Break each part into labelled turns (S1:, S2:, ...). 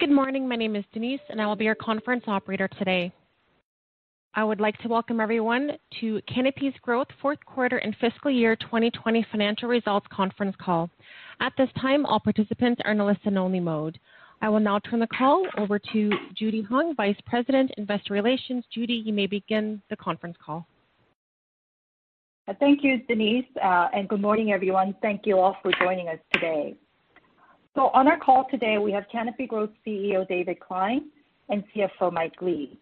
S1: Good morning. My name is Denise. I will be your conference operator today. I would like to welcome everyone to Canopy Growth fourth quarter and fiscal year 2020 financial results conference call. At this time, all participants are in a listen only mode. I will now turn the call over to Judy Hong, Vice President, Investor Relations. Judy, you may begin the conference call.
S2: Thank you, Denise. Good morning, everyone. Thank you all for joining us today. On our call today, we have Canopy Growth CEO, David Klein, and CFO, Mike Lee.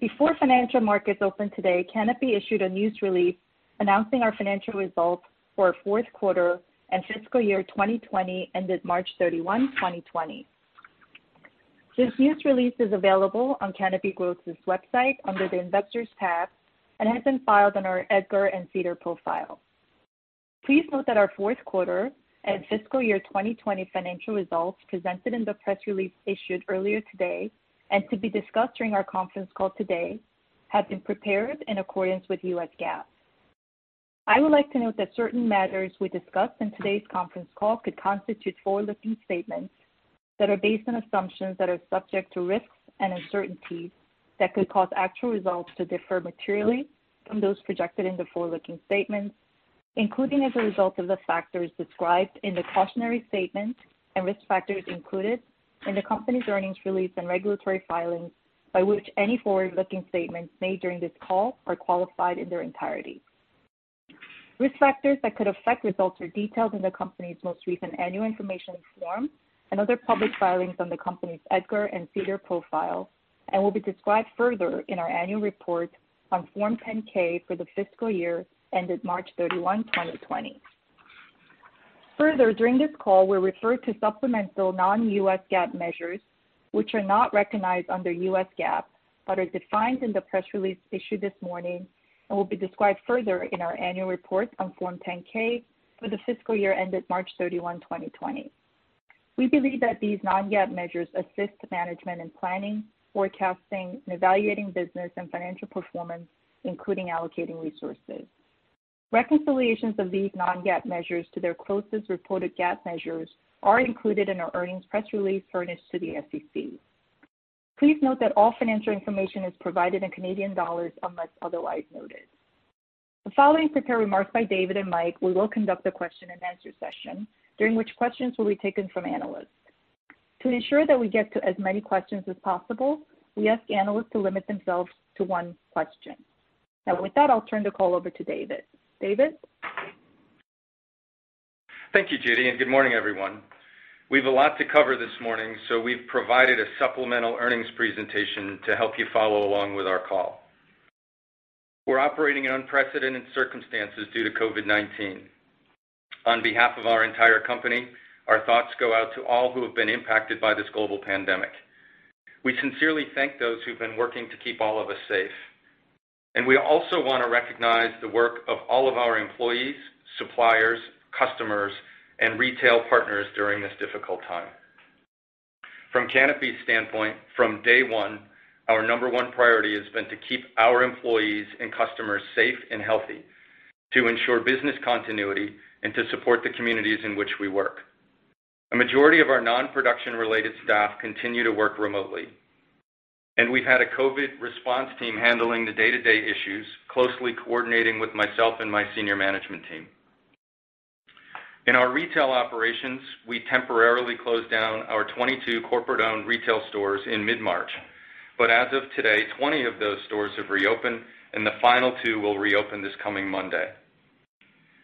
S2: Before financial markets opened today, Canopy issued a news release announcing our financial results for our fourth quarter and fiscal year 2020 ended March 31, 2020. This news release is available on Canopy Growth's website under the Investors tab and has been filed on our EDGAR and SEDAR profile. Please note that our fourth quarter and fiscal year 2020 financial results presented in the press release issued earlier today, and to be discussed during our conference call today, have been prepared in accordance with US GAAP. I would like to note that certain matters we discuss in today's conference call could constitute forward-looking statements that are based on assumptions that are subject to risks and uncertainties that could cause actual results to differ materially from those projected in the forward-looking statements, including as a result of the factors described in the cautionary statements and risk factors included in the company's earnings release and regulatory filings by which any forward-looking statements made during this call are qualified in their entirety. Risk factors that could affect results are detailed in the company's most recent annual information form and other public filings on the company's EDGAR and SEDAR profile and will be described further in our annual report on Form 10-K for the fiscal year ended March 31, 2020. Further, during this call, we'll refer to supplemental non-US GAAP measures, which are not recognized under US GAAP but are defined in the press release issued this morning and will be described further in our annual report on Form 10-K for the fiscal year ended March 31, 2020. We believe that these non-GAAP measures assist management in planning, forecasting, and evaluating business and financial performance, including allocating resources. Reconciliations of these non-GAAP measures to their closest reported GAAP measures are included in our earnings press release furnished to the SEC. Please note that all financial information is provided in Canadian dollars unless otherwise noted. The following prepared remarks by David and Mike, we will conduct a question and answer session, during which questions will be taken from analysts. To ensure that we get to as many questions as possible, we ask analysts to limit themselves to one question. With that, I'll turn the call over to David. David?
S3: Thank you, Judy. Good morning, everyone. We've a lot to cover this morning. We've provided a supplemental earnings presentation to help you follow along with our call. We're operating in unprecedented circumstances due to COVID-19. On behalf of our entire company, our thoughts go out to all who have been impacted by this global pandemic. We sincerely thank those who've been working to keep all of us safe. We also want to recognize the work of all of our employees, suppliers, customers, and retail partners during this difficult time. From Canopy's standpoint, from day one, our number one priority has been to keep our employees and customers safe and healthy, to ensure business continuity, and to support the communities in which we work. A majority of our non-production-related staff continue to work remotely, and we've had a COVID response team handling the day-to-day issues, closely coordinating with myself and my senior management team. In our retail operations, we temporarily closed down our 22 corporate-owned retail stores in mid-March, but as of today, 20 of those stores have reopened, and the final two will reopen this coming Monday.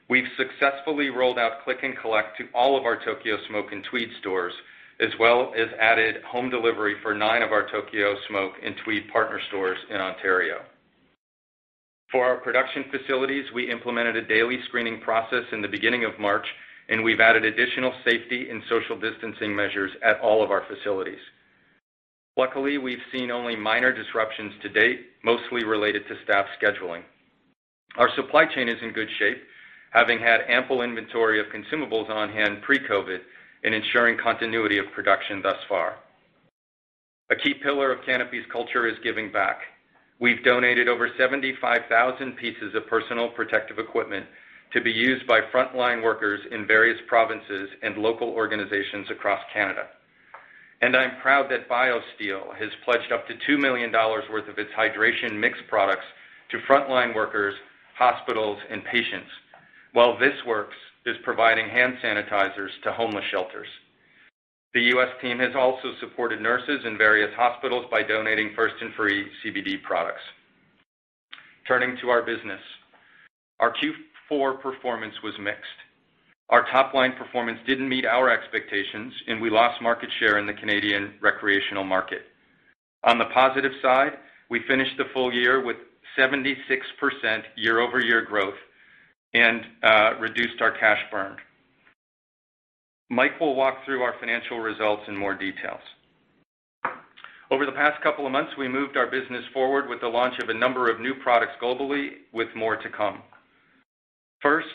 S3: We've successfully rolled out click and collect to all of our Tokyo Smoke and Tweed stores, as well as added home delivery for nine of our Tokyo Smoke and Tweed partner stores in Ontario. For our production facilities, we implemented a daily screening process in the beginning of March, and we've added additional safety and social distancing measures at all of our facilities. Luckily, we've seen only minor disruptions to date, mostly related to staff scheduling. Our supply chain is in good shape, having had ample inventory of consumables on-hand pre-COVID and ensuring continuity of production thus far. A key pillar of Canopy's culture is giving back. We've donated over 75,000 pieces of personal protective equipment to be used by frontline workers in various provinces and local organizations across Canada. I'm proud that BioSteel has pledged up to 2 million dollars worth of its hydration mix products to frontline workers, hospitals, and patients, while This Works is providing hand sanitizers to homeless shelters. The U.S. team has also supported nurses in various hospitals by donating First & Free CBD products. Turning to our business, our Q4 performance was mixed. Our top-line performance didn't meet our expectations, and we lost market share in the Canadian recreational market. On the positive side, we finished the full year with 76% year-over-year growth and reduced our cash burn. Mike will walk through our financial results in more details. Over the past couple of months, we moved our business forward with the launch of a number of new products globally, with more to come. First,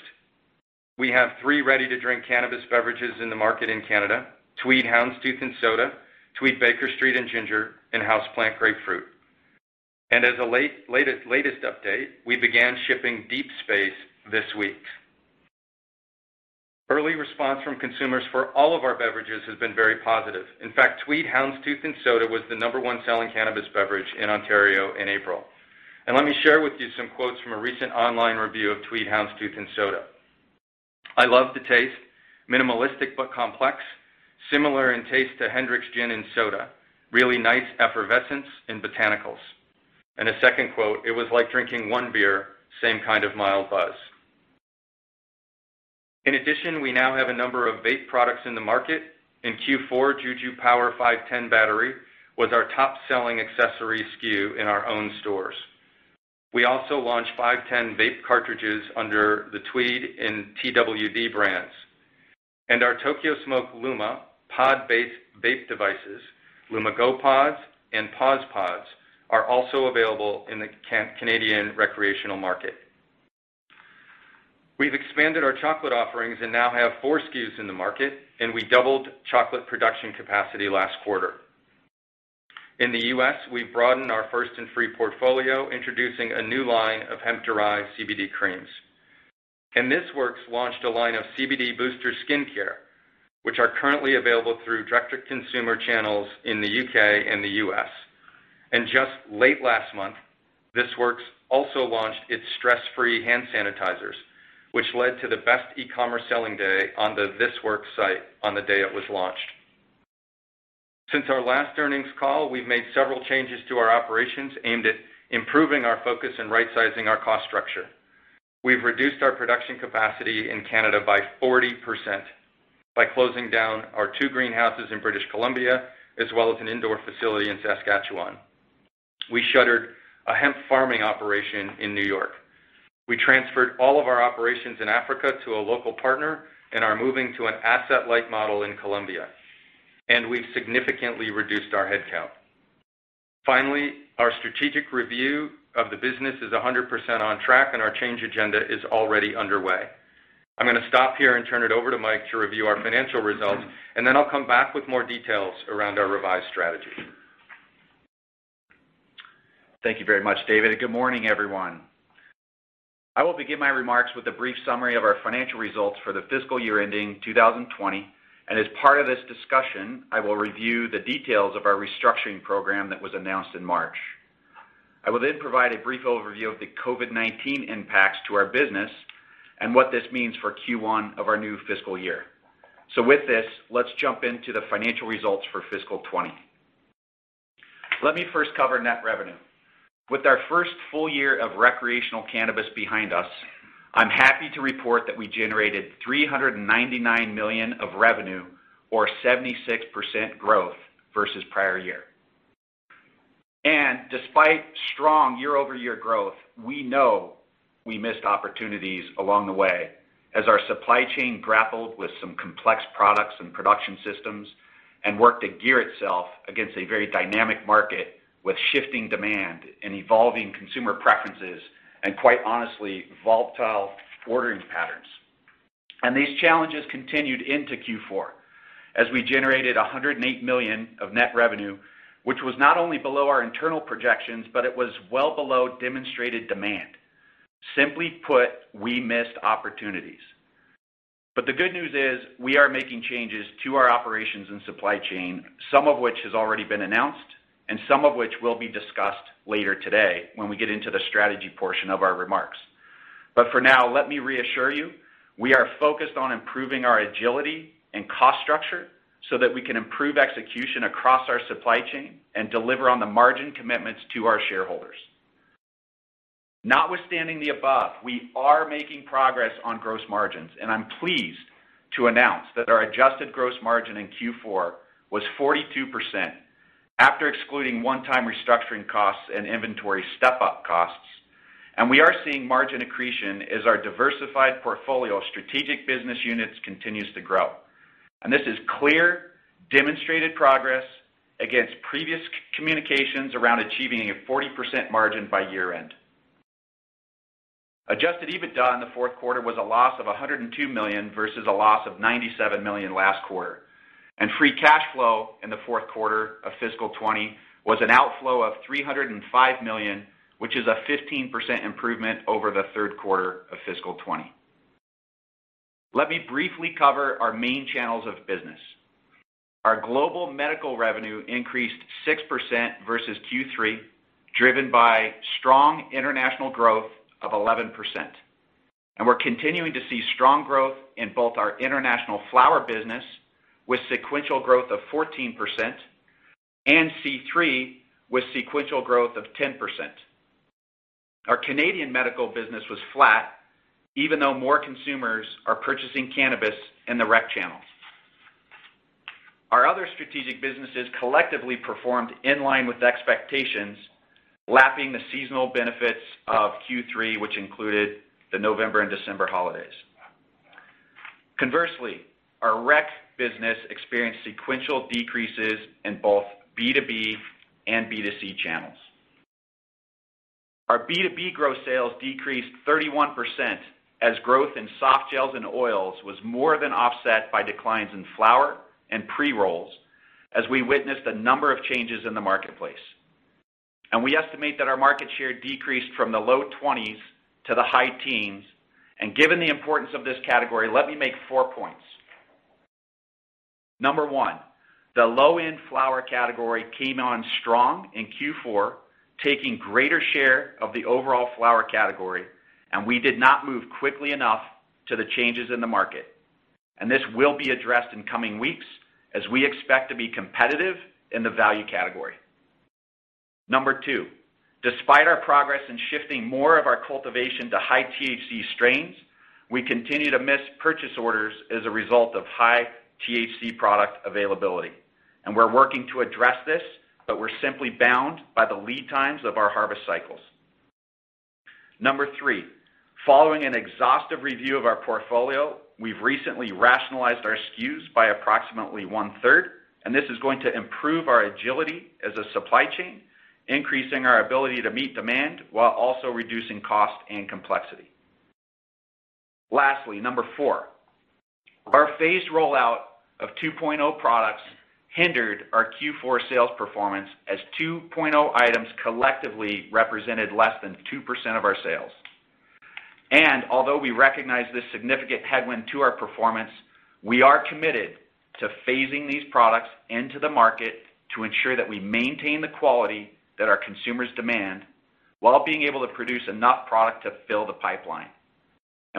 S3: we have three ready-to-drink cannabis beverages in the market in Canada, Tweed Houndstooth & Soda, Tweed Bakerstreet & Ginger, and Houseplant Grapefruit. As a latest update, we began shipping Deep Space this week. Early response from consumers for all of our beverages has been very positive. In fact, Tweed Houndstooth & Soda was the number 1 selling cannabis beverage in Ontario in April. Let me share with you some quotes from a recent online review of Tweed Houndstooth & Soda. "I love the taste. Minimalistic but complex, similar in taste to Hendrick's Gin & Soda. Really nice effervescence and botanicals." A second quote, "It was like drinking one beer, same kind of mild buzz." In addition, we now have a number of vape products in the market. In Q4, JUJU Power 510 battery was our top-selling accessory SKU in our own stores. We also launched 510 vape cartridges under the Tweed and Twd. brands. Our Tokyo Smoke Luma pod-based vape devices, Luma Go Pods, and Pause Pods are also available in the Canadian recreational market. We've expanded our chocolate offerings and now have four SKUs in the market, and we doubled chocolate production capacity last quarter. In the U.S., we broadened our First & Free portfolio, introducing a new line of hemp-derived CBD creams. This Works launched a line of CBD booster skincare, which are currently available through direct-to-consumer channels in the U.K. and the U.S. Just late last month, This Works also launched its stress-free hand sanitizers, which led to the best e-commerce selling day on the thisworks.site on the day it was launched. Since our last earnings call, we've made several changes to our operations aimed at improving our focus and right-sizing our cost structure. We've reduced our production capacity in Canada by 40% by closing down our two greenhouses in British Columbia, as well as an indoor facility in Saskatchewan. We shuttered a hemp farming operation in N.Y. We transferred all of our operations in Africa to a local partner and are moving to an asset-light model in Colombia. We've significantly reduced our headcount. Finally, our strategic review of the business is 100% on track, and our change agenda is already underway. I'm going to stop here and turn it over to Mike to review our financial results, and then I'll come back with more details around our revised strategy.
S4: Thank you very much, David, good morning, everyone. I will begin my remarks with a brief summary of our financial results for the fiscal year ending 2020, and as part of this discussion, I will review the details of our restructuring program that was announced in March. I will then provide a brief overview of the COVID-19 impacts to our business and what this means for Q1 of our new fiscal year. With this, let's jump into the financial results for fiscal 2020. Let me first cover net revenue. With our first full year of recreational cannabis behind us, I'm happy to report that we generated 399 million of revenue or 76% growth versus prior year. Despite strong year-over-year growth, we know we missed opportunities along the way as our supply chain grappled with some complex products and production systems and worked to gear itself against a very dynamic market with shifting demand and evolving consumer preferences and, quite honestly, volatile ordering patterns. These challenges continued into Q4 as we generated 108 million of net revenue, which was not only below our internal projections, but it was well below demonstrated demand. Simply put, we missed opportunities. The good news is, we are making changes to our operations and supply chain, some of which has already been announced, and some of which will be discussed later today when we get into the strategy portion of our remarks. For now, let me reassure you, we are focused on improving our agility and cost structure so that we can improve execution across our supply chain and deliver on the margin commitments to our shareholders. Notwithstanding the above, we are making progress on gross margins, I'm pleased to announce that our adjusted gross margin in Q4 was 42% after excluding one-time restructuring costs and inventory step-up costs. We are seeing margin accretion as our diversified portfolio of strategic business units continues to grow. This is clear, demonstrated progress against previous communications around achieving a 40% margin by year-end. Adjusted EBITDA in the fourth quarter was a loss of 102 million versus a loss of 97 million last quarter. Free cash flow in the fourth quarter of fiscal 2020 was an outflow of 305 million, which is a 15% improvement over the third quarter of fiscal 2020. Let me briefly cover our main channels of business. Our global medical revenue increased 6% versus Q3, driven by strong international growth of 11%. We're continuing to see strong growth in both our international flower business, with sequential growth of 14%, and C3 with sequential growth of 10%. Our Canadian medical business was flat, even though more consumers are purchasing cannabis in the rec channel. Our other strategic businesses collectively performed in line with expectations, lapping the seasonal benefits of Q3, which included the November and December holidays. Conversely, our rec business experienced sequential decreases in both B2B and B2C channels. Our B2B gross sales decreased 31% as growth in soft gels and oils was more than offset by declines in flower and pre-rolls as we witnessed a number of changes in the marketplace. We estimate that our market share decreased from the low-20s to the high teens. Given the importance of this category, let me make four points. Number one, the low-end flower category came on strong in Q4, taking greater share of the overall flower category, and we did not move quickly enough to the changes in the market. This will be addressed in coming weeks as we expect to be competitive in the value category. Number two, despite our progress in shifting more of our cultivation to high-THC strains, we continue to miss purchase orders as a result of high-THC product availability. We're working to address this, but we're simply bound by the lead times of our harvest cycles. Number three, following an exhaustive review of our portfolio, we've recently rationalized our SKUs by approximately one-third, this is going to improve our agility as a supply chain, increasing our ability to meet demand while also reducing cost and complexity. Lastly, Number four, our phased rollout of 2.0 products hindered our Q4 sales performance as 2.0 items collectively represented less than 2% of our sales. Although we recognize this significant headwind to our performance, we are committed to phasing these products into the market to ensure that we maintain the quality that our consumers demand while being able to produce enough product to fill the pipeline.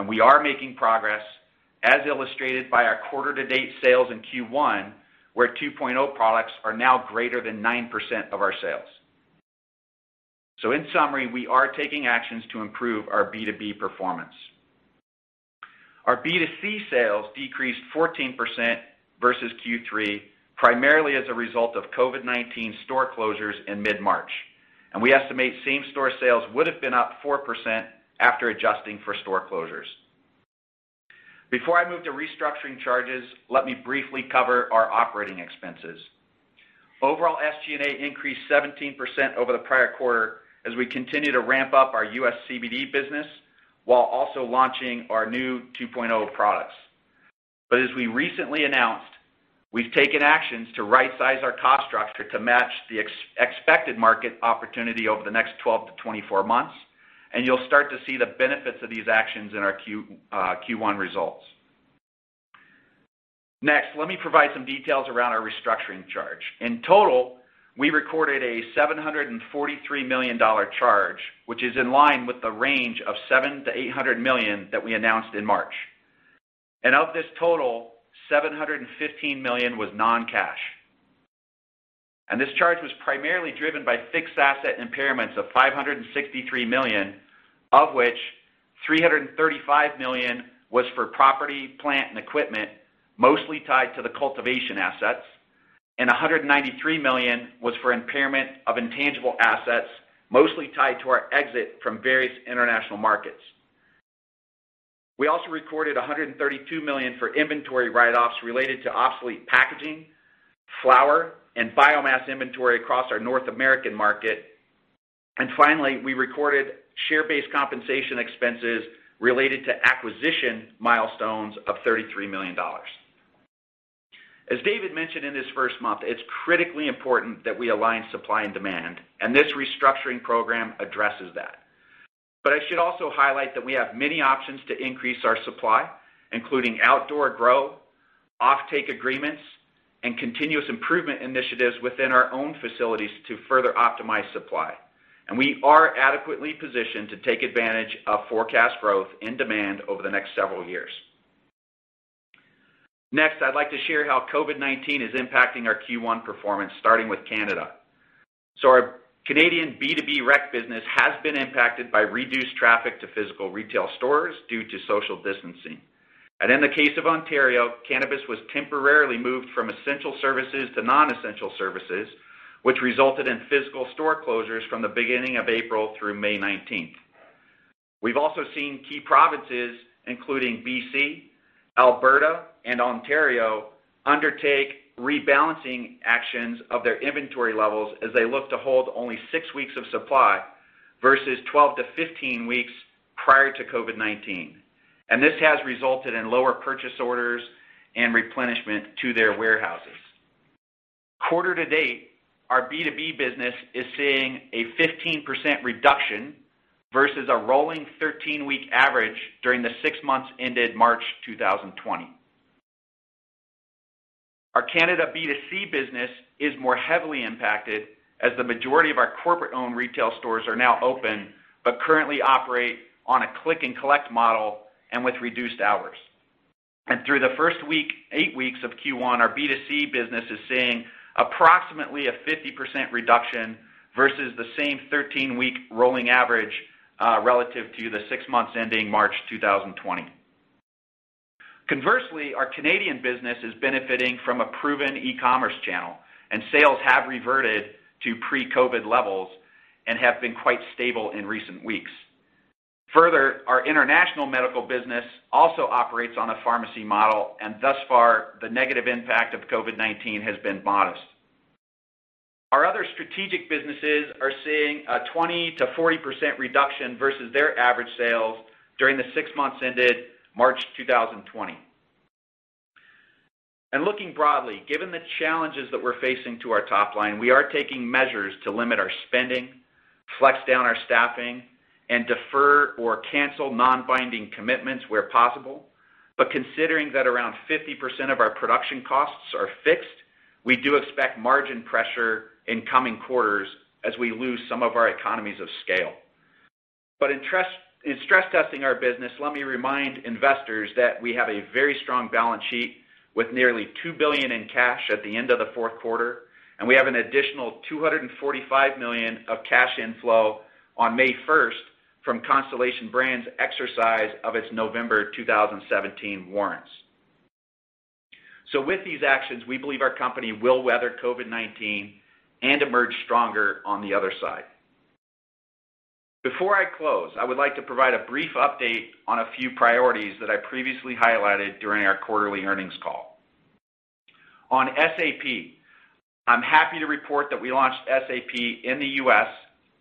S4: We are making progress, as illustrated by our quarter-to-date sales in Q1, where 2.0 products are now greater than 9% of our sales. In summary, we are taking actions to improve our B2B performance. Our B2C sales decreased 14% versus Q3, primarily as a result of COVID-19 store closures in mid-March. We estimate same-store sales would have been up 4% after adjusting for store closures. Before I move to restructuring charges, let me briefly cover our operating expenses. Overall, SG&A increased 17% over the prior quarter as we continue to ramp up our U.S. CBD business while also launching our new 2.0 products. As we recently announced, we've taken actions to right-size our cost structure to match the expected market opportunity over the next 12-24 months, and you'll start to see the benefits of these actions in our Q1 results. Next, let me provide some details around our restructuring charge. In total, we recorded a 743 million dollar charge, which is in line with the range of 700 million to 800 million that we announced in March. Of this total, 715 million was non-cash. This charge was primarily driven by fixed asset impairments of 563 million, of which 335 million was for property, plant, and equipment, mostly tied to the cultivation assets, and 193 million was for impairment of intangible assets, mostly tied to our exit from various international markets. We also recorded 132 million for inventory write-offs related to obsolete packaging, flower, and biomass inventory across our North American market. Finally, we recorded share-based compensation expenses related to acquisition milestones of 33 million dollars. As David mentioned in his first month, it's critically important that we align supply and demand, and this restructuring program addresses that. I should also highlight that we have many options to increase our supply, including outdoor grow, off-take agreements, and continuous improvement initiatives within our own facilities to further optimize supply. We are adequately positioned to take advantage of forecast growth and demand over the next several years. Next, I'd like to share how COVID-19 is impacting our Q1 performance, starting with Canada. Our Canadian B2B rec business has been impacted by reduced traffic to physical retail stores due to social distancing. In the case of Ontario, cannabis was temporarily moved from essential services to non-essential services, which resulted in physical store closures from the beginning of April through May 19th. We've also seen key provinces, including BC, Alberta, and Ontario, undertake rebalancing actions of their inventory levels as they look to hold only six weeks of supply versus 12-15 weeks prior to COVID-19. This has resulted in lower purchase orders and replenishment to their warehouses. Quarter to date, our B2B business is seeing a 15% reduction versus a rolling 13-week average during the six months ended March 2020. Our Canada B2C business is more heavily impacted as the majority of our corporate-owned retail stores are now open, but currently operate on a click-and-collect model and with reduced hours. Through the first eight weeks of Q1, our B2C business is seeing approximately a 50% reduction versus the same 13-week rolling average relative to the six months ending March 2020. Conversely, our Canadian business is benefiting from a proven e-commerce channel, and sales have reverted to pre-COVID levels and have been quite stable in recent weeks. Further, our international medical business also operates on a pharmacy model, and thus far, the negative impact of COVID-19 has been modest. Our other strategic businesses are seeing a 20%-40% reduction versus their average sales during the six months ended March 2020. Looking broadly, given the challenges that we're facing to our top line, we are taking measures to limit our spending, flex down our staffing, and defer or cancel non-binding commitments where possible. Considering that around 50% of our production costs are fixed, we do expect margin pressure in coming quarters as we lose some of our economies of scale. In stress-testing our business, let me remind investors that we have a very strong balance sheet with nearly 2 billion in cash at the end of the fourth quarter, and we have an additional 245 million of cash inflow on May 1st from Constellation Brands' exercise of its November 2017 warrants. With these actions, we believe our company will weather COVID-19 and emerge stronger on the other side. Before I close, I would like to provide a brief update on a few priorities that I previously highlighted during our quarterly earnings call. On SAP, I'm happy to report that we launched SAP in the U.S.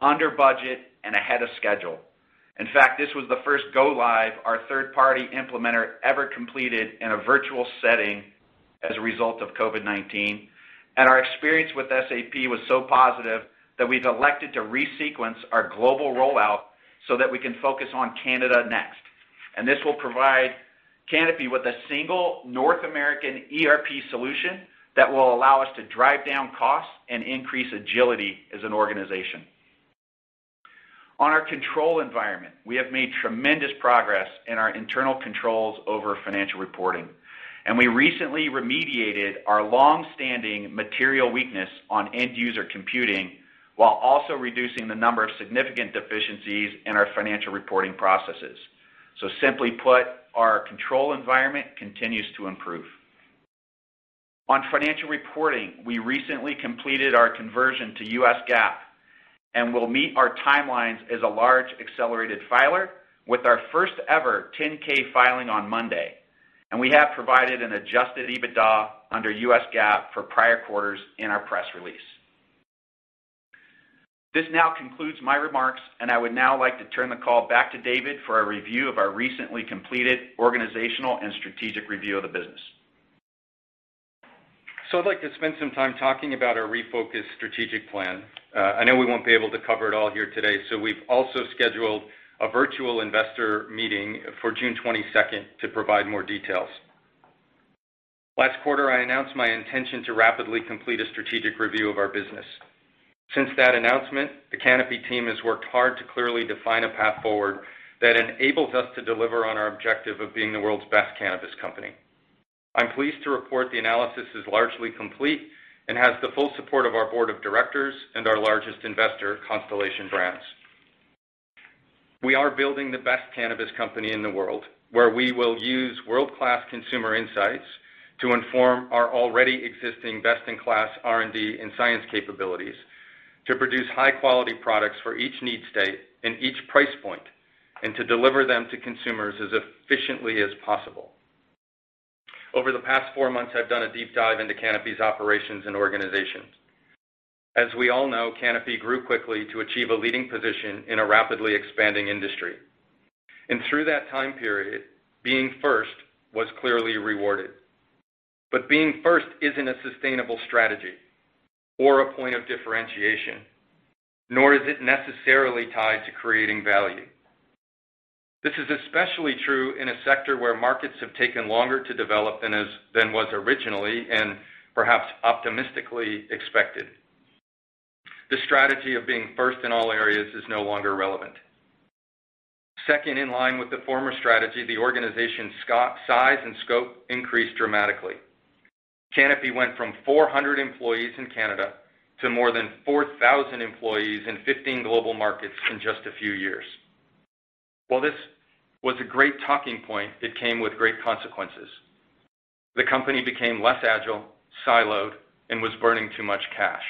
S4: under budget and ahead of schedule. In fact, this was the first go-live our third-party implementer ever completed in a virtual setting as a result of COVID-19. Our experience with SAP was so positive that we've elected to resequence our global rollout so that we can focus on Canada next. This will provide Canopy with a single North American ERP solution that will allow us to drive down costs and increase agility as an organization. On our control environment, we have made tremendous progress in our internal controls over financial reporting, and we recently remediated our longstanding material weakness on end-user computing, while also reducing the number of significant deficiencies in our financial reporting processes. Simply put, our control environment continues to improve. On financial reporting, we recently completed our conversion to U.S. GAAP and will meet our timelines as a large accelerated filer with our first ever 10-K filing on Monday, and we have provided an adjusted EBITDA under U.S. GAAP for prior quarters in our press release. This now concludes my remarks, and I would now like to turn the call back to David for a review of our recently completed organizational and strategic review of the business.
S3: I'd like to spend some time talking about our refocused strategic plan. I know we won't be able to cover it all here today, so we've also scheduled a virtual investor meeting for June 22nd to provide more details. Last quarter, I announced my intention to rapidly complete a strategic review of our business. Since that announcement, the Canopy team has worked hard to clearly define a path forward that enables us to deliver on our objective of being the world's best cannabis company. I'm pleased to report the analysis is largely complete and has the full support of our board of directors and our largest investor, Constellation Brands. We are building the best cannabis company in the world, where we will use world-class consumer insights to inform our already existing best-in-class R&D and science capabilities to produce high-quality products for each need state and each price point, and to deliver them to consumers as efficiently as possible. Over the past four months, I've done a deep dive into Canopy's operations and organizations. As we all know, Canopy grew quickly to achieve a leading position in a rapidly expanding industry. Through that time period, being first was clearly rewarded. Being first isn't a sustainable strategy or a point of differentiation, nor is it necessarily tied to creating value. This is especially true in a sector where markets have taken longer to develop than was originally and perhaps optimistically expected. The strategy of being first in all areas is no longer relevant. Second, in line with the former strategy, the organization's size and scope increased dramatically. Canopy went from 400 employees in Canada to more than 4,000 employees in 15 global markets in just a few years. While this was a great talking point, it came with great consequences. The company became less agile, siloed, and was burning too much cash.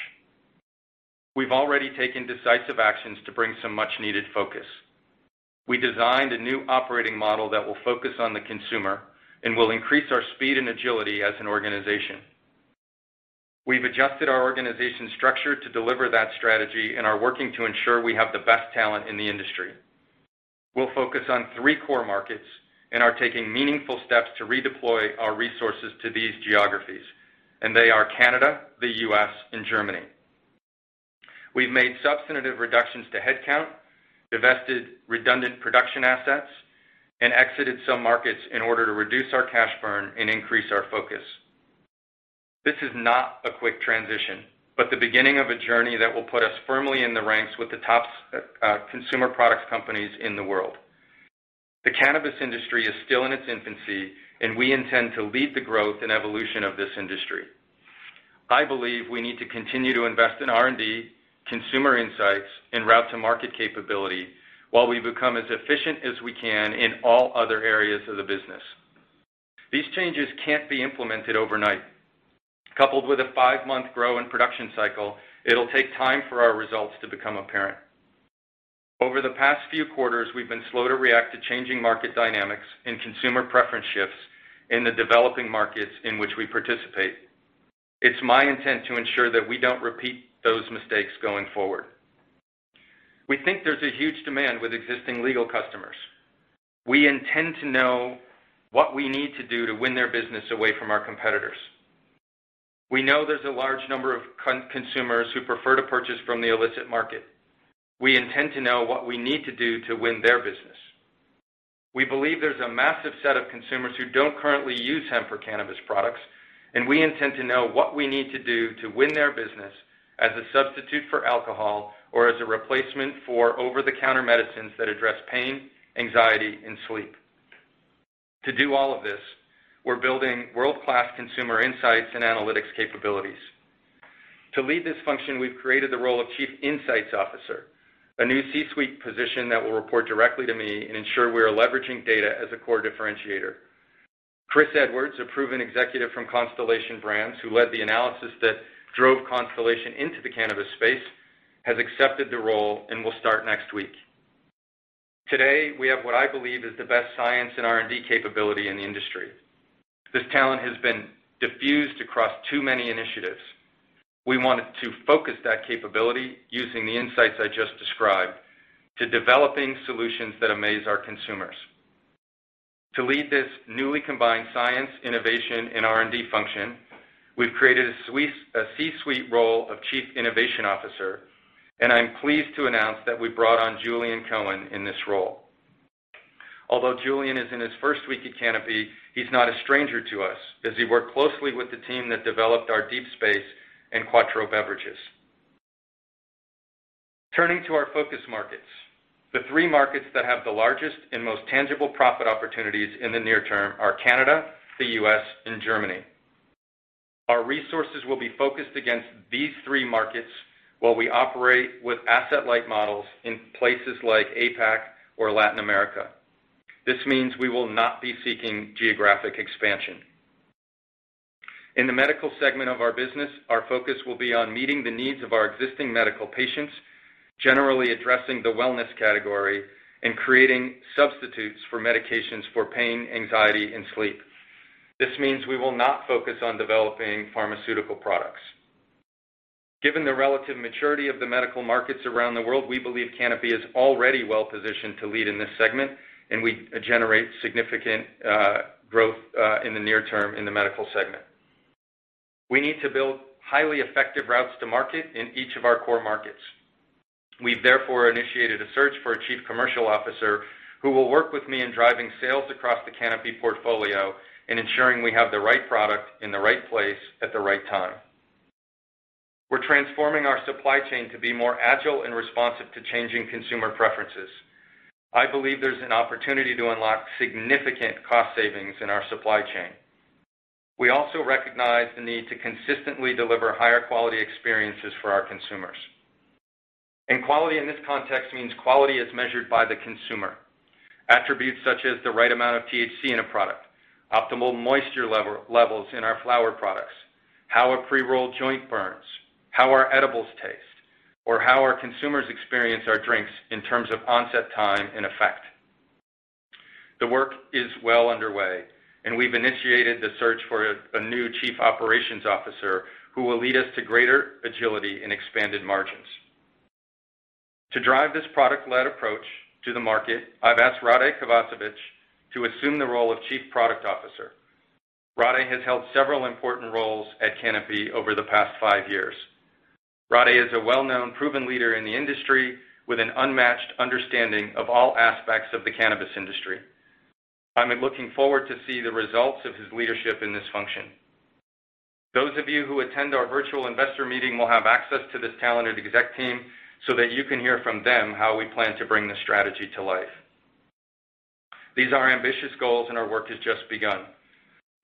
S3: We've already taken decisive actions to bring some much-needed focus. We designed a new operating model that will focus on the consumer and will increase our speed and agility as an organization. We've adjusted our organization structure to deliver that strategy and are working to ensure we have the best talent in the industry. We'll focus on three core markets and are taking meaningful steps to redeploy our resources to these geographies. They are Canada, the U.S., and Germany. We've made substantive reductions to headcount, divested redundant production assets, and exited some markets in order to reduce our cash burn and increase our focus. This is not a quick transition, but the beginning of a journey that will put us firmly in the ranks with the top consumer products companies in the world. The cannabis industry is still in its infancy, and we intend to lead the growth and evolution of this industry. I believe we need to continue to invest in R&D, consumer insights, and route to market capability while we become as efficient as we can in all other areas of the business. These changes can't be implemented overnight. Coupled with a five-month grow in production cycle, it'll take time for our results to become apparent. Over the past few quarters, we've been slow to react to changing market dynamics and consumer preference shifts in the developing markets in which we participate. It's my intent to ensure that we don't repeat those mistakes going forward. We think there's a huge demand with existing legal customers. We intend to know what we need to do to win their business away from our competitors. We know there's a large number of consumers who prefer to purchase from the illicit market. We intend to know what we need to do to win their business. We believe there's a massive set of consumers who don't currently use hemp or cannabis products, and we intend to know what we need to do to win their business as a substitute for alcohol or as a replacement for over-the-counter medicines that address pain, anxiety, and sleep. To do all of this, we're building world-class consumer insights and analytics capabilities. To lead this function, we've created the role of Chief Insights Officer, a new C-suite position that will report directly to me and ensure we are leveraging data as a core differentiator. Chris Edwards, a proven executive from Constellation Brands who led the analysis that drove Constellation into the cannabis space, has accepted the role and will start next week. Today, we have what I believe is the best science in R&D capability in the industry. This talent has been diffused across too many initiatives. We want to focus that capability using the insights I just described to developing solutions that amaze our consumers. To lead this newly combined science, innovation, and R&D function, we've created a C-suite role of Chief Innovation Officer. I'm pleased to announce that we brought on Julian Cohen in this role. Although Julian is in his first week at Canopy, he's not a stranger to us as he worked closely with the team that developed our Deep Space and Quatreau Beverages. Turning to our focus markets, the three markets that have the largest and most tangible profit opportunities in the near term are Canada, the U.S., and Germany. Our resources will be focused against these three markets while we operate with asset-light models in places like APAC or Latin America. This means we will not be seeking geographic expansion. In the medical segment of our business, our focus will be on meeting the needs of our existing medical patients, generally addressing the wellness category, and creating substitutes for medications for pain, anxiety, and sleep. This means we will not focus on developing pharmaceutical products. Given the relative maturity of the medical markets around the world, we believe Canopy is already well-positioned to lead in this segment, and we generate significant growth, in the near term in the medical segment. We need to build highly effective routes to market in each of our core markets. We've therefore initiated a search for a Chief Commercial Officer who will work with me in driving sales across the Canopy portfolio and ensuring we have the right product in the right place at the right time. We're transforming our supply chain to be more agile and responsive to changing consumer preferences. I believe there's an opportunity to unlock significant cost savings in our supply chain. We also recognize the need to consistently deliver higher quality experiences for our consumers. Quality in this context means quality as measured by the consumer. Attributes such as the right amount of THC in a product, optimal moisture levels in our flower products, how a pre-rolled joint burns, how our edibles taste, or how our consumers experience our drinks in terms of onset time and effect. The work is well underway and we've initiated the search for a new Chief Operations Officer who will lead us to greater agility and expanded margins. To drive this product-led approach to the market, I've asked Rade Kovacevic to assume the role of Chief Product Officer. Rade has held several important roles at Canopy over the past five years. Rade is a well-known, proven leader in the industry with an unmatched understanding of all aspects of the cannabis industry. I'm looking forward to see the results of his leadership in this function. Those of you who attend our virtual investor meeting will have access to this talented exec team so that you can hear from them how we plan to bring this strategy to life. These are ambitious goals and our work has just begun.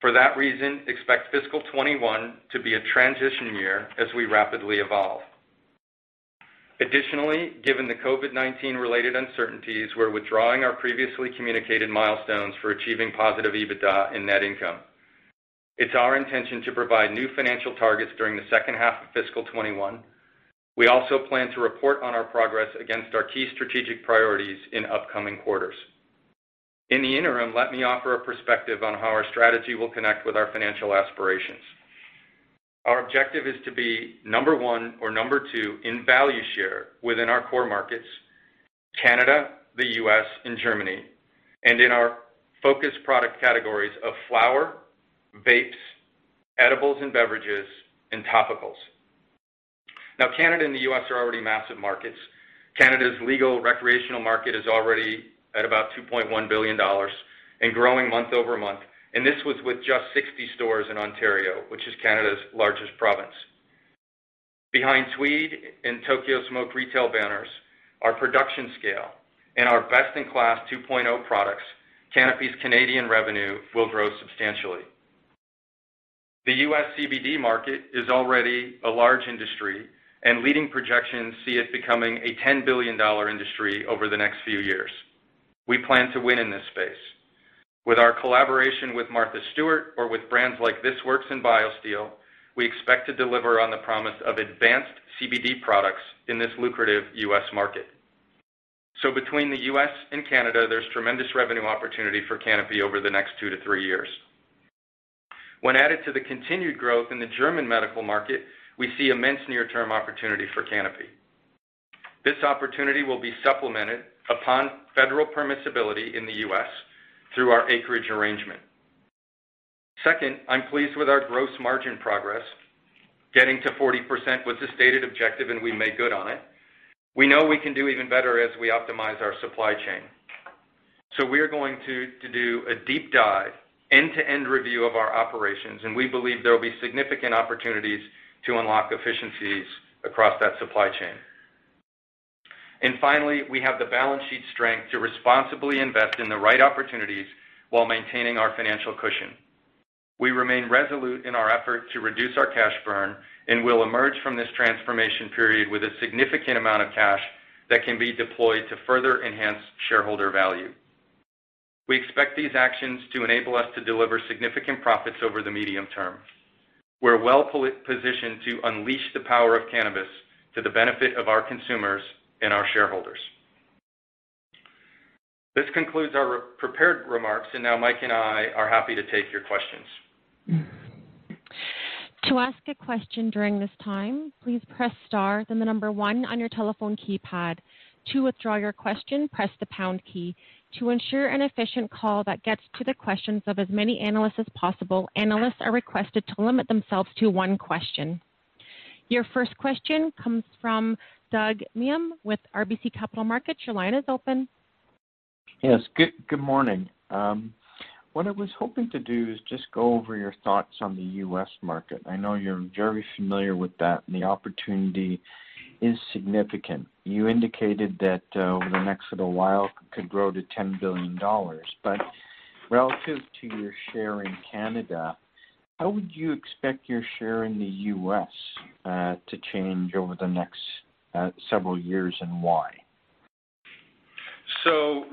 S3: For that reason, expect fiscal 2021 to be a transition year as we rapidly evolve. Additionally, given the COVID-19 related uncertainties, we're withdrawing our previously communicated milestones for achieving positive EBITDA and net income. It's our intention to provide new financial targets during the second half of fiscal 2021. We also plan to report on our progress against our key strategic priorities in upcoming quarters. In the interim, let me offer a perspective on how our strategy will connect with our financial aspirations. Our objective is to be number one or number two in value share within our core markets, Canada, the U.S., and Germany, and in our focus product categories of flower, vapes, edibles and beverages, and topicals. Canada and the U.S. are already massive markets. Canada's legal recreational market is already at about 2.1 billion dollars and growing month-over-month, and this was with just 60 stores in Ontario, which is Canada's largest province. Behind Tweed and Tokyo Smoke retail banners, our production scale and our best-in-class 2.0 products, Canopy's Canadian revenue will grow substantially. The U.S. CBD market is already a large industry, and leading projections see it becoming a 10 billion dollar industry over the next few years. We plan to win in this space. With our collaboration with Martha Stewart or with brands like This Works and BioSteel, we expect to deliver on the promise of advanced CBD products in this lucrative U.S. market. Between the U.S. and Canada, there's tremendous revenue opportunity for Canopy over the next two to three years. When added to the continued growth in the German medical market, we see immense near-term opportunity for Canopy. This opportunity will be supplemented upon federal permissibility in the U.S. through our Acreage arrangement. Second, I'm pleased with our gross margin progress. Getting to 40% was a stated objective, and we made good on it. We know we can do even better as we optimize our supply chain. We are going to do a deep dive, end-to-end review of our operations, and we believe there will be significant opportunities to unlock efficiencies across that supply chain. Finally, we have the balance sheet strength to responsibly invest in the right opportunities while maintaining our financial cushion. We remain resolute in our effort to reduce our cash burn and will emerge from this transformation period with a significant amount of cash that can be deployed to further enhance shareholder value. We expect these actions to enable us to deliver significant profits over the medium term. We're well-positioned to unleash the power of cannabis to the benefit of our consumers and our shareholders. This concludes our prepared remarks, now Mike and I are happy to take your questions.
S1: To ask a question during this time, please press star, then the number one on your telephone keypad. To withdraw your question, press the pound key. To ensure an efficient call that gets to the questions of as many analysts as possible, analysts are requested to limit themselves to one question. Your first question comes from Doug Miehm with RBC Capital Markets. Your line is open.
S5: Yes. Good morning. What I was hoping to do is just go over your thoughts on the U.S. market. I know you're very familiar with that, and the opportunity is significant. You indicated that over the next little while, could grow to 10 billion dollars. Relative to your share in Canada, how would you expect your share in the U.S. to change over the next several years, and why?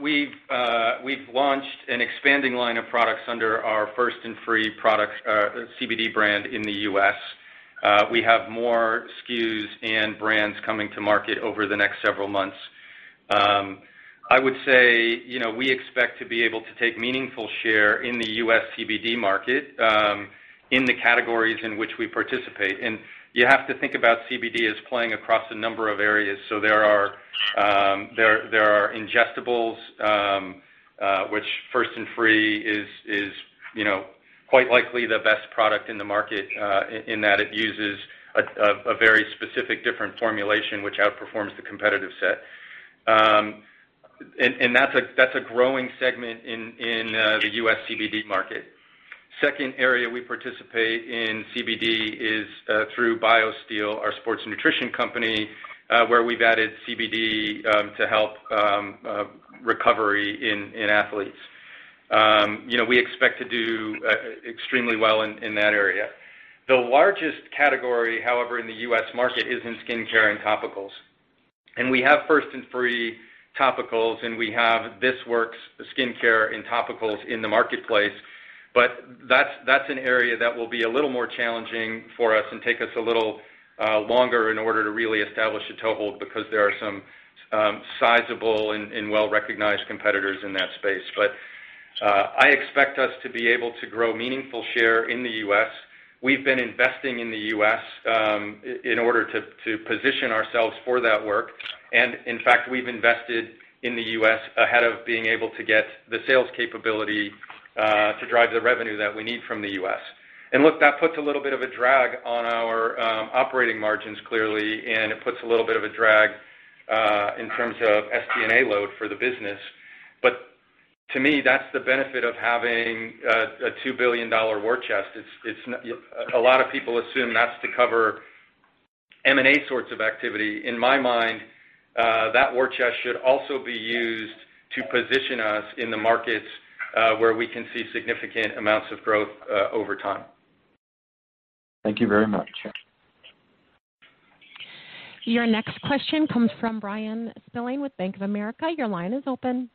S3: We've launched an expanding line of products under our First & Free CBD brand in the U.S. We have more SKUs and brands coming to market over the next several months. I would say, we expect to be able to take meaningful share in the U.S. CBD market, in the categories in which we participate. You have to think about CBD as playing across a number of areas. There are ingestibles, which First & Free is quite likely the best product in the market, in that it uses a very specific different formulation which outperforms the competitive set. That's a growing segment in the U.S. CBD market. Second area we participate in CBD is through BioSteel, our sports nutrition company, where we've added CBD to help recovery in athletes. We expect to do extremely well in that area. The largest category, however, in the U.S. market is in skincare and topicals. We have First & Free topicals, and we have This Works skincare and topicals in the marketplace, but that's an area that will be a little more challenging for us and take us a little longer in order to really establish a toehold because there are some sizable and well-recognized competitors in that space. I expect us to be able to grow meaningful share in the U.S. We've been investing in the U.S. in order to position ourselves for that work. In fact, we've invested in the U.S. ahead of being able to get the sales capability to drive the revenue that we need from the U.S. Look, that puts a little bit of a drag on our operating margins, clearly, and it puts a little bit of a drag in terms of SG&A load for the business. To me, that's the benefit of having a 2 billion dollar war chest. A lot of people assume that's to cover M&A sorts of activity. In my mind, that war chest should also be used to position us in the markets where we can see significant amounts of growth over time.
S5: Thank you very much.
S1: Your next question comes from Bryan Spillane with Bank of America. Your line is open.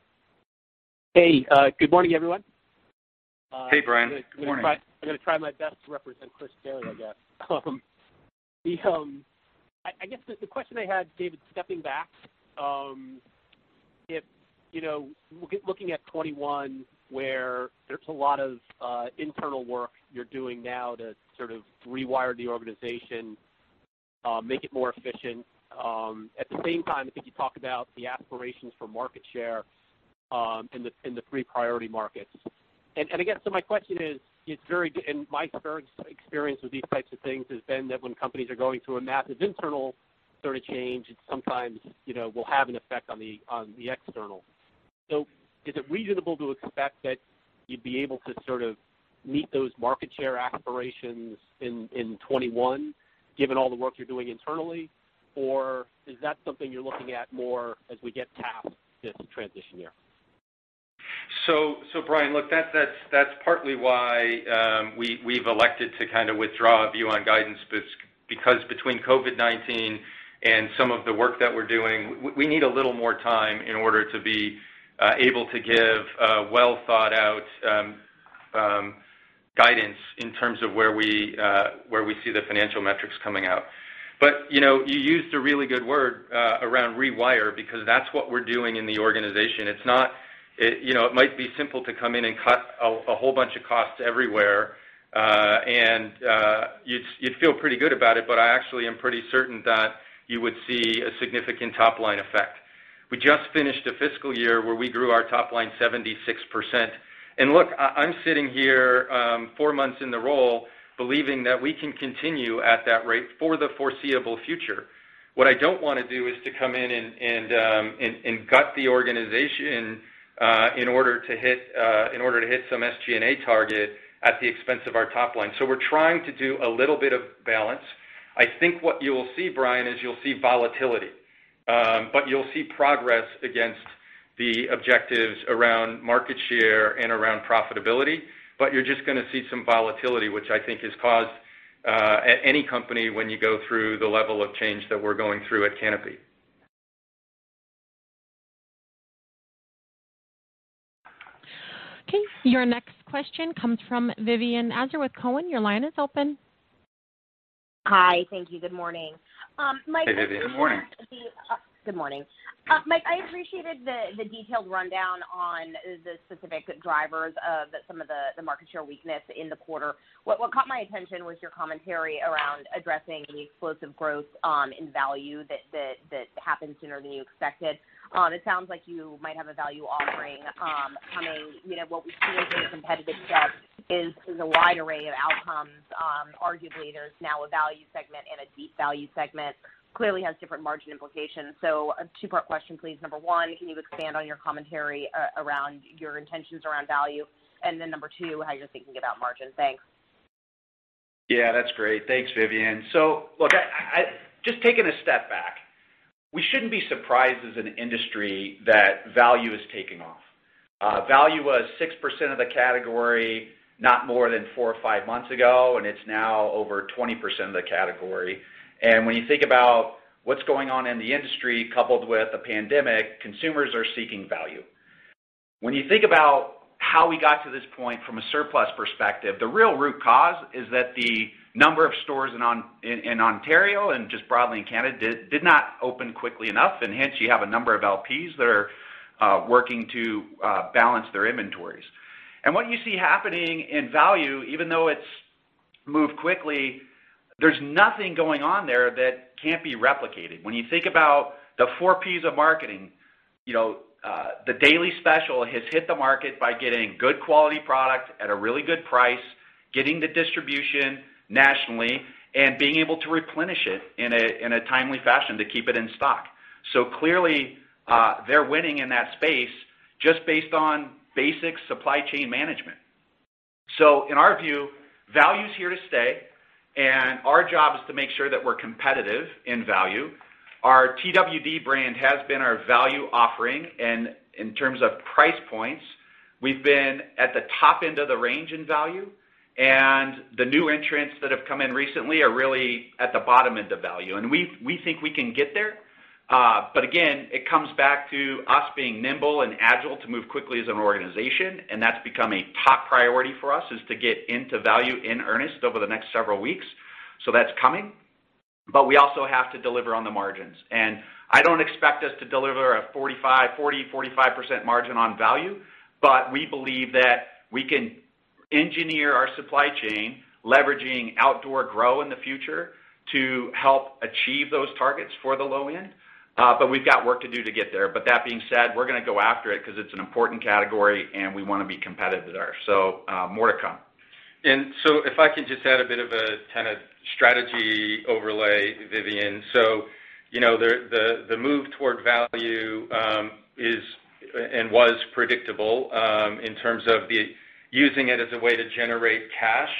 S6: Hey. Good morning, everyone.
S3: Hey, Bryan. Good morning.
S6: I'm gonna try my best to represent Chris Carey, I guess. I guess the question I had, David, stepping back, looking at 2021, where there's a lot of internal work you're doing now to sort of rewire the organization, make it more efficient. At the same time, I think you talk about the aspirations for market share in the three priority markets. I guess, my question is, in my experience with these types of things has been that when companies are going through a massive internal sort of change, it sometimes will have an effect on the external. Is it reasonable to expect that you'd be able to sort of meet those market share aspirations in 2021, given all the work you're doing internally, or is that something you're looking at more as we get past this transition year?
S3: Bryan, look, that's partly why we've elected to kind of withdraw a view on guidance, because between COVID-19 and some of the work that we're doing, we need a little more time in order to be able to give a well-thought-out guidance in terms of where we see the financial metrics coming out. You used a really good word around rewire, because that's what we're doing in the organization. It might be simple to come in and cut a whole bunch of costs everywhere, and you'd feel pretty good about it, but I actually am pretty certain that you would see a significant top-line effect. We just finished a fiscal year where we grew our top line 76%. Look, I'm sitting here, four months in the role, believing that we can continue at that rate for the foreseeable future. What I don't want to do is to come in and gut the organization in order to hit some SG&A target at the expense of our top line. We're trying to do a little bit of balance. I think what you'll see, Bryan, is you'll see volatility, but you'll see progress against the objectives around market share and around profitability, but you're just going to see some volatility, which I think is caused at any company when you go through the level of change that we're going through at Canopy.
S1: Okay. Your next question comes from Vivien Azer with Cowen. Your line is open.
S7: Hi. Thank you. Good morning.
S3: Hey, Vivien. Good morning.
S7: Good morning. Mike, I appreciated the detailed rundown on the specific drivers of some of the market share weakness in the quarter. What caught my attention was your commentary around addressing the explosive growth in value that happened sooner than you expected. It sounds like you might have a value offering coming. What we see within the competitive set is a wide array of outcomes. Arguably, there's now a value segment and a deep value segment. Clearly has different margin implications. A two-part question, please. Number one, can you expand on your commentary around your intentions around value? Number two, how you're thinking about margins. Thanks.
S4: Yeah, that's great. Thanks, Vivien. Look, just taking a step back, we shouldn't be surprised as an industry that value is taking off. Value was 6% of the category not more than four or five months ago, it's now over 20% of the category. When you think about what's going on in the industry coupled with a pandemic, consumers are seeking value. When you think about how we got to this point from a surplus perspective, the real root cause is that the number of stores in Ontario and just broadly in Canada, did not open quickly enough, hence you have a number of LPs that are working to balance their inventories. What you see happening in value, even though it's moved quickly, there's nothing going on there that can't be replicated. When you think about the four Ps of marketing, the Daily Special has hit the market by getting good quality product at a really good price, getting the distribution nationally, and being able to replenish it in a timely fashion to keep it in stock. Clearly, they're winning in that space just based on basic supply chain management. In our view, value's here to stay, and our job is to make sure that we're competitive in value. Our Twd. brand has been our value offering, and in terms of price points, we've been at the top end of the range in value, and the new entrants that have come in recently are really at the bottom end of value, and we think we can get there. Again, it comes back to us being nimble and agile to move quickly as an organization, and that's become a top priority for us, is to get into value in earnest over the next several weeks. That's coming. We also have to deliver on the margins. I don't expect us to deliver a 40%-45% margin on value, but we believe that we can engineer our supply chain, leveraging outdoor grow in the future to help achieve those targets for the low end. We've got work to do to get there. That being said, we're going to go after it because it's an important category, and we want to be competitive there. More to come.
S3: If I can just add a bit of a kind of strategy overlay, Vivien. The move toward value is, and was predictable, in terms of using it as a way to generate cash.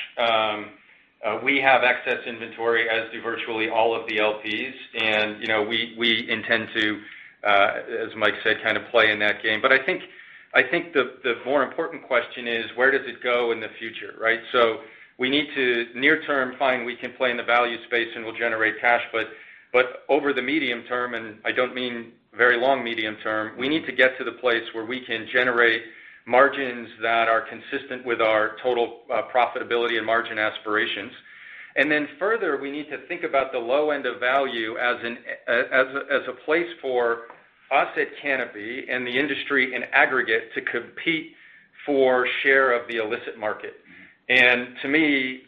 S3: We have excess inventory, as do virtually all of the LPs. We intend to, as Mike said, kind of play in that game. I think the more important question is, where does it go in the future. We need to near term, fine, we can play in the value space and we'll generate cash, but over the medium term, and I don't mean very long, medium term, we need to get to the place where we can generate margins that are consistent with our total profitability and margin aspirations. Further, we need to think about the low end of value as a place for us at Canopy and the industry in aggregate to compete for share of the illicit market. To me,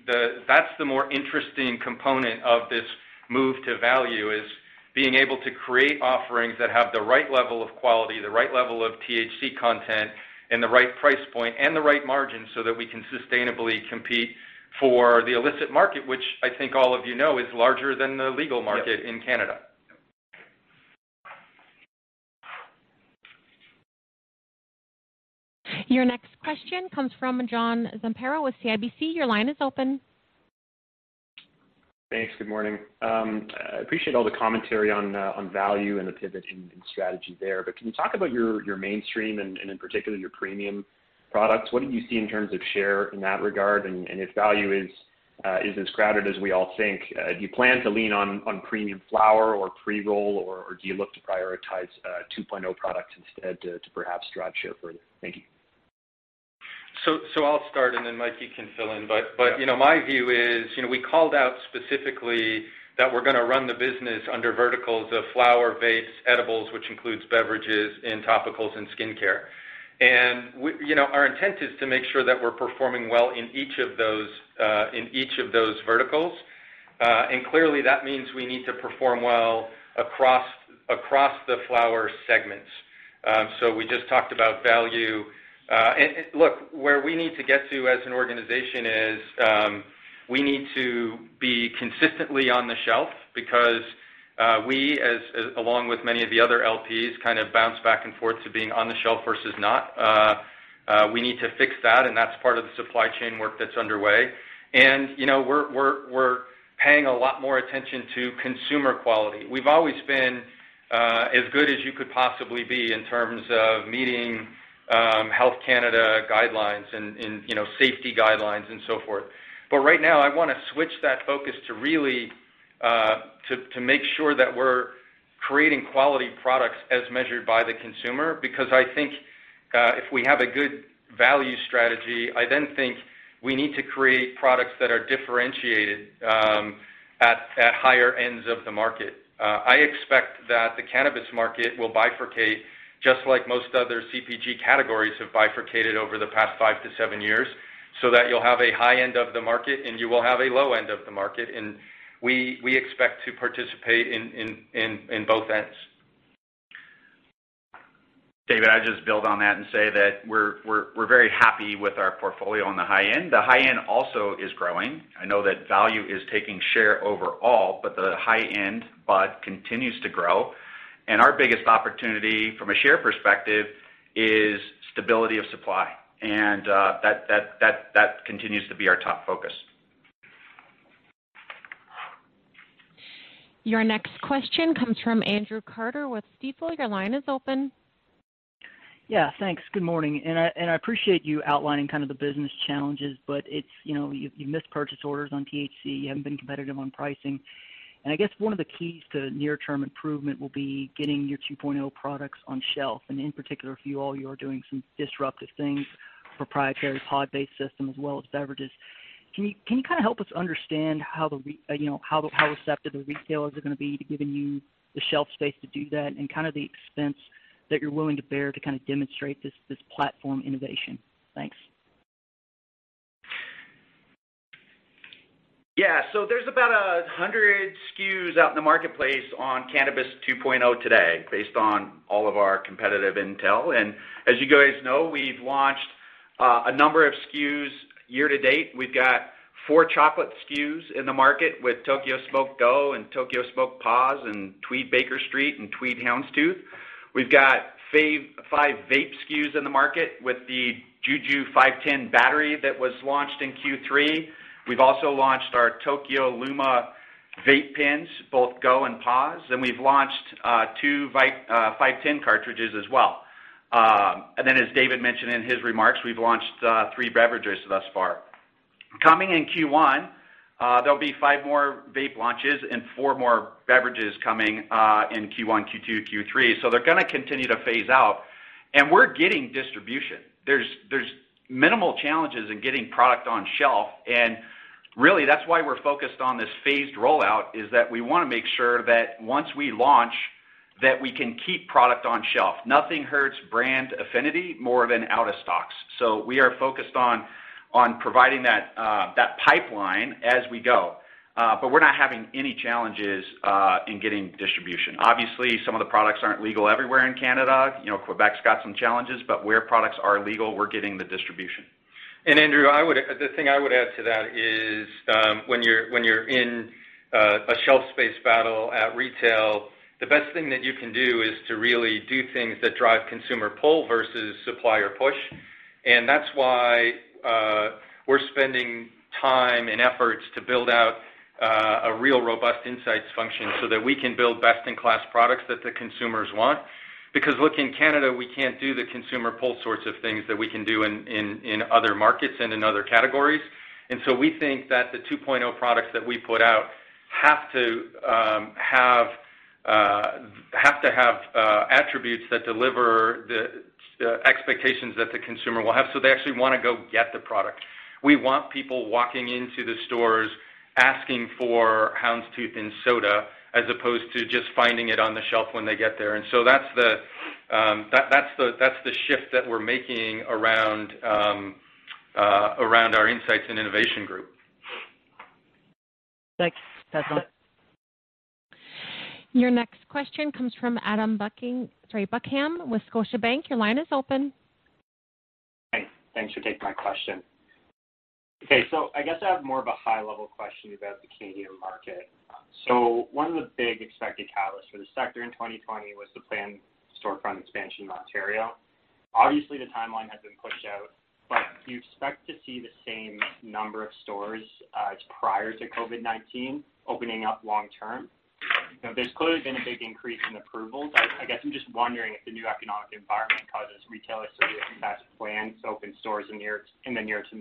S3: that's the more interesting component of this move to value, is being able to create offerings that have the right level of quality, the right level of THC content, and the right price point and the right margin, so that we can sustainably compete for the illicit market, which I think all of you know is larger than the legal market in Canada.
S1: Your next question comes from John Zamparo with CIBC. Your line is open.
S8: Thanks. Good morning. I appreciate all the commentary on value and the pivot in strategy there, but can you talk about your mainstream and in particular, your premium products? What do you see in terms of share in that regard? If value is as crowded as we all think, do you plan to lean on premium flower or pre-roll, or do you look to prioritize 2.0 products instead to perhaps drive share further? Thank you.
S3: I'll start and then Mike, you can fill in. My view is, we called out specifically that we're going to run the business under verticals of flower-based edibles, which includes beverages and topicals and skincare. Our intent is to make sure that we're performing well in each of those verticals. Clearly, that means we need to perform well across the flower segments. We just talked about value. Look, where we need to get to as an organization is, we need to be consistently on the shelf because we, along with many of the other LPs, kind of bounce back and forth to being on the shelf versus not. We need to fix that, and that's part of the supply chain work that's underway. We're paying a lot more attention to consumer quality. We've always been as good as you could possibly be in terms of meeting Health Canada guidelines and safety guidelines and so forth. Right now, I want to switch that focus to really make sure that we're creating quality products as measured by the consumer, because I think, if we have a good value strategy, I then think we need to create products that are differentiated at higher ends of the market. I expect that the cannabis market will bifurcate, just like most other CPG categories have bifurcated over the past five to seven years, so that you'll have a high end of the market, and you will have a low end of the market, and we expect to participate in both ends.
S4: David, I'd just build on that and say that we're very happy with our portfolio on the high end. The high end also is growing. I know that value is taking share overall, but the high-end bud continues to grow. Our biggest opportunity from a share perspective is stability of supply, and that continues to be our top focus.
S1: Your next question comes from Andrew Carter with Stifel. Your line is open.
S9: Yeah, thanks. Good morning. I appreciate you outlining kind of the business challenges, but you missed purchase orders on THC. You haven't been competitive on pricing. I guess one of the keys to near-term improvement will be getting your 2.0 products on shelf. In particular for you all, you are doing some disruptive things, proprietary pod-based system as well as beverages. Can you help us understand how receptive the retailers are going to be to giving you the shelf space to do that and kind of the expense that you're willing to bear to kind of demonstrate this platform innovation? Thanks.
S4: There's about 100 SKUs out in the marketplace on Cannabis 2.0 today based on all of our competitive intel. As you guys know, we've launched a number of SKUs year to date. We've got four chocolate SKUs in the market with Tokyo Smoke Go and Tokyo Smoke Pause and Tweed Bakerstreet and Tweed Houndstooth. We've got five vape SKUs in the market with the JUJU 510 battery that was launched in Q3. We've also launched our Tokyo Luma vape pens, both Go and Pause, and we've launched two 510 cartridges as well. As David mentioned in his remarks, we've launched three beverages thus far. Coming in Q1, there'll be five more vape launches and four more beverages coming in Q1, Q2, Q3. They're going to continue to phase out. We're getting distribution. There's minimal challenges in getting product on shelf. Really that's why we're focused on this phased rollout, is that we want to make sure that once we launch, that we can keep product on shelf. Nothing hurts brand affinity more than out of stocks. We are focused on providing that pipeline as we go. We're not having any challenges in getting distribution. Obviously, some of the products aren't legal everywhere in Canada. Quebec's got some challenges. Where products are legal, we're getting the distribution.
S3: Andrew, the thing I would add to that is, when you're in a shelf space battle at retail, the best thing that you can do is to really do things that drive consumer pull versus supplier push. That's why we're spending time and efforts to build out a real robust insights function so that we can build best-in-class products that the consumers want. Look, in Canada, we can't do the consumer pull sorts of things that we can do in other markets and in other categories. We think that the 2.0 products that we put out have to have attributes that deliver the expectations that the consumer will have, so they actually want to go get the product. We want people walking into the stores asking for Houndstooth & Soda, as opposed to just finding it on the shelf when they get there. That's the shift that we're making around our Insights and Innovation Group.
S9: Thanks. That's all.
S1: Your next question comes from Adam Buckham with Scotiabank. Your line is open.
S10: Hi. Thanks for taking my question. I guess I have more of a high-level question about the Canadian market. One of the big expected catalysts for the sector in 2020 was the planned storefront expansion in Ontario. Obviously, the timeline has been pushed out, but do you expect to see the same number of stores as prior to COVID-19 opening up long term? There's clearly been a big increase in approvals. I guess I'm just wondering if the new economic environment causes retailers to reassess plans to open stores in the near to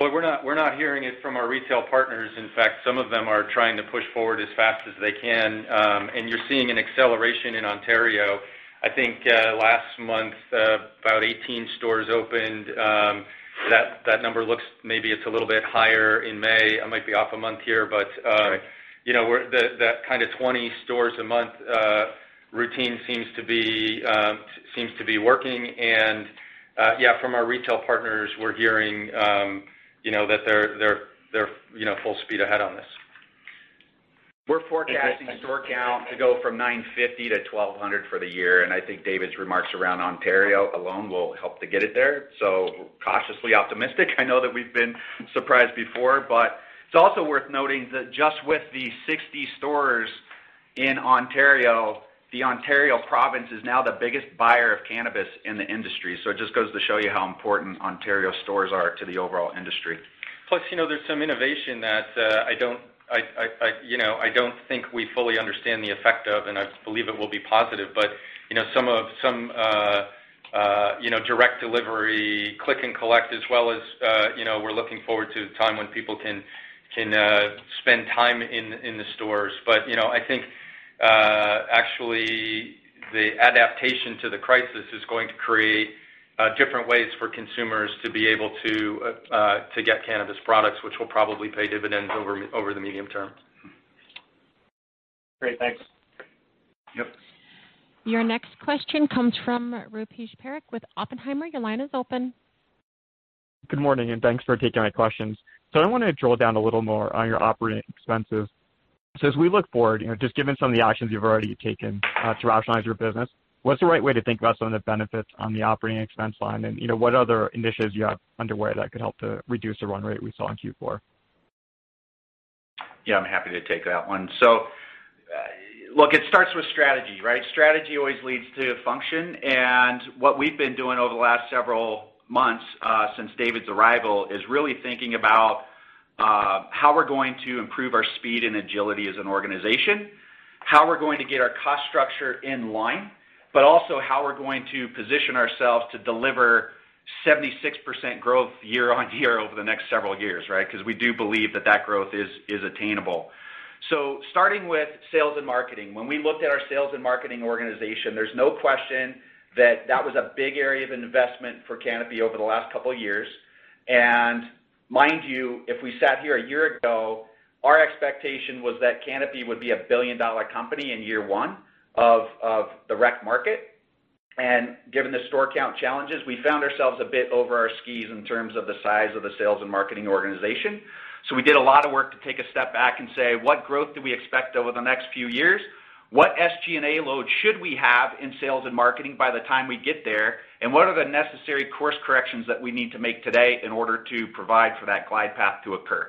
S10: mid-term.
S3: We're not hearing it from our retail partners. In fact, some of them are trying to push forward as fast as they can, and you're seeing an acceleration in Ontario. I think, last month, about 18 stores opened. That number looks maybe it's a little bit higher in May. I might be off a month here.
S10: Right.
S3: That kind of 20 stores a month routine seems to be working. Yeah, from our retail partners, we're hearing that they're full speed ahead on this.
S4: We're forecasting store count to go from 950-1,200 for the year. I think David's remarks around Ontario alone will help to get it there. Cautiously optimistic. I know that we've been surprised before. It's also worth noting that just with the 60 stores in Ontario, the Ontario province is now the biggest buyer of cannabis in the industry. It just goes to show you how important Ontario stores are to the overall industry.
S3: There's some innovation that I don't think we fully understand the effect of, and I believe it will be positive. Some direct delivery click and collect as well as we're looking forward to the time when people can spend time in the stores. I think actually, the adaptation to the crisis is going to create different ways for consumers to be able to get cannabis products, which will probably pay dividends over the medium term.
S10: Great. Thanks.
S3: Yep.
S1: Your next question comes from Rupesh Parikh with Oppenheimer. Your line is open.
S11: Good morning. Thanks for taking my questions. I want to drill down a little more on your operating expenses. As we look forward, just given some of the actions you've already taken to rationalize your business, what's the right way to think about some of the benefits on the operating expense line? What other initiatives do you have underway that could help to reduce the run rate we saw in Q4?
S4: Yeah, I'm happy to take that one. Look, it starts with strategy, right? Strategy always leads to function. What we've been doing over the last several months, since David's arrival, is really thinking about how we're going to improve our speed and agility as an organization, how we're going to get our cost structure in line, but also how we're going to position ourselves to deliver 76% growth year-on-year over the next several years, right? Because we do believe that that growth is attainable. Starting with sales and marketing. When we looked at our sales and marketing organization, there's no question that that was a big area of investment for Canopy over the last couple of years. Mind you, if we sat here a year ago, our expectation was that Canopy would be a billion-dollar company in year one of the rec market. Given the store count challenges, we found ourselves a bit over our skis in terms of the size of the sales and marketing organization. We did a lot of work to take a step back and say, "What growth do we expect over the next few years? What SG&A load should we have in sales and marketing by the time we get there, and what are the necessary course corrections that we need to make today in order to provide for that glide path to occur?"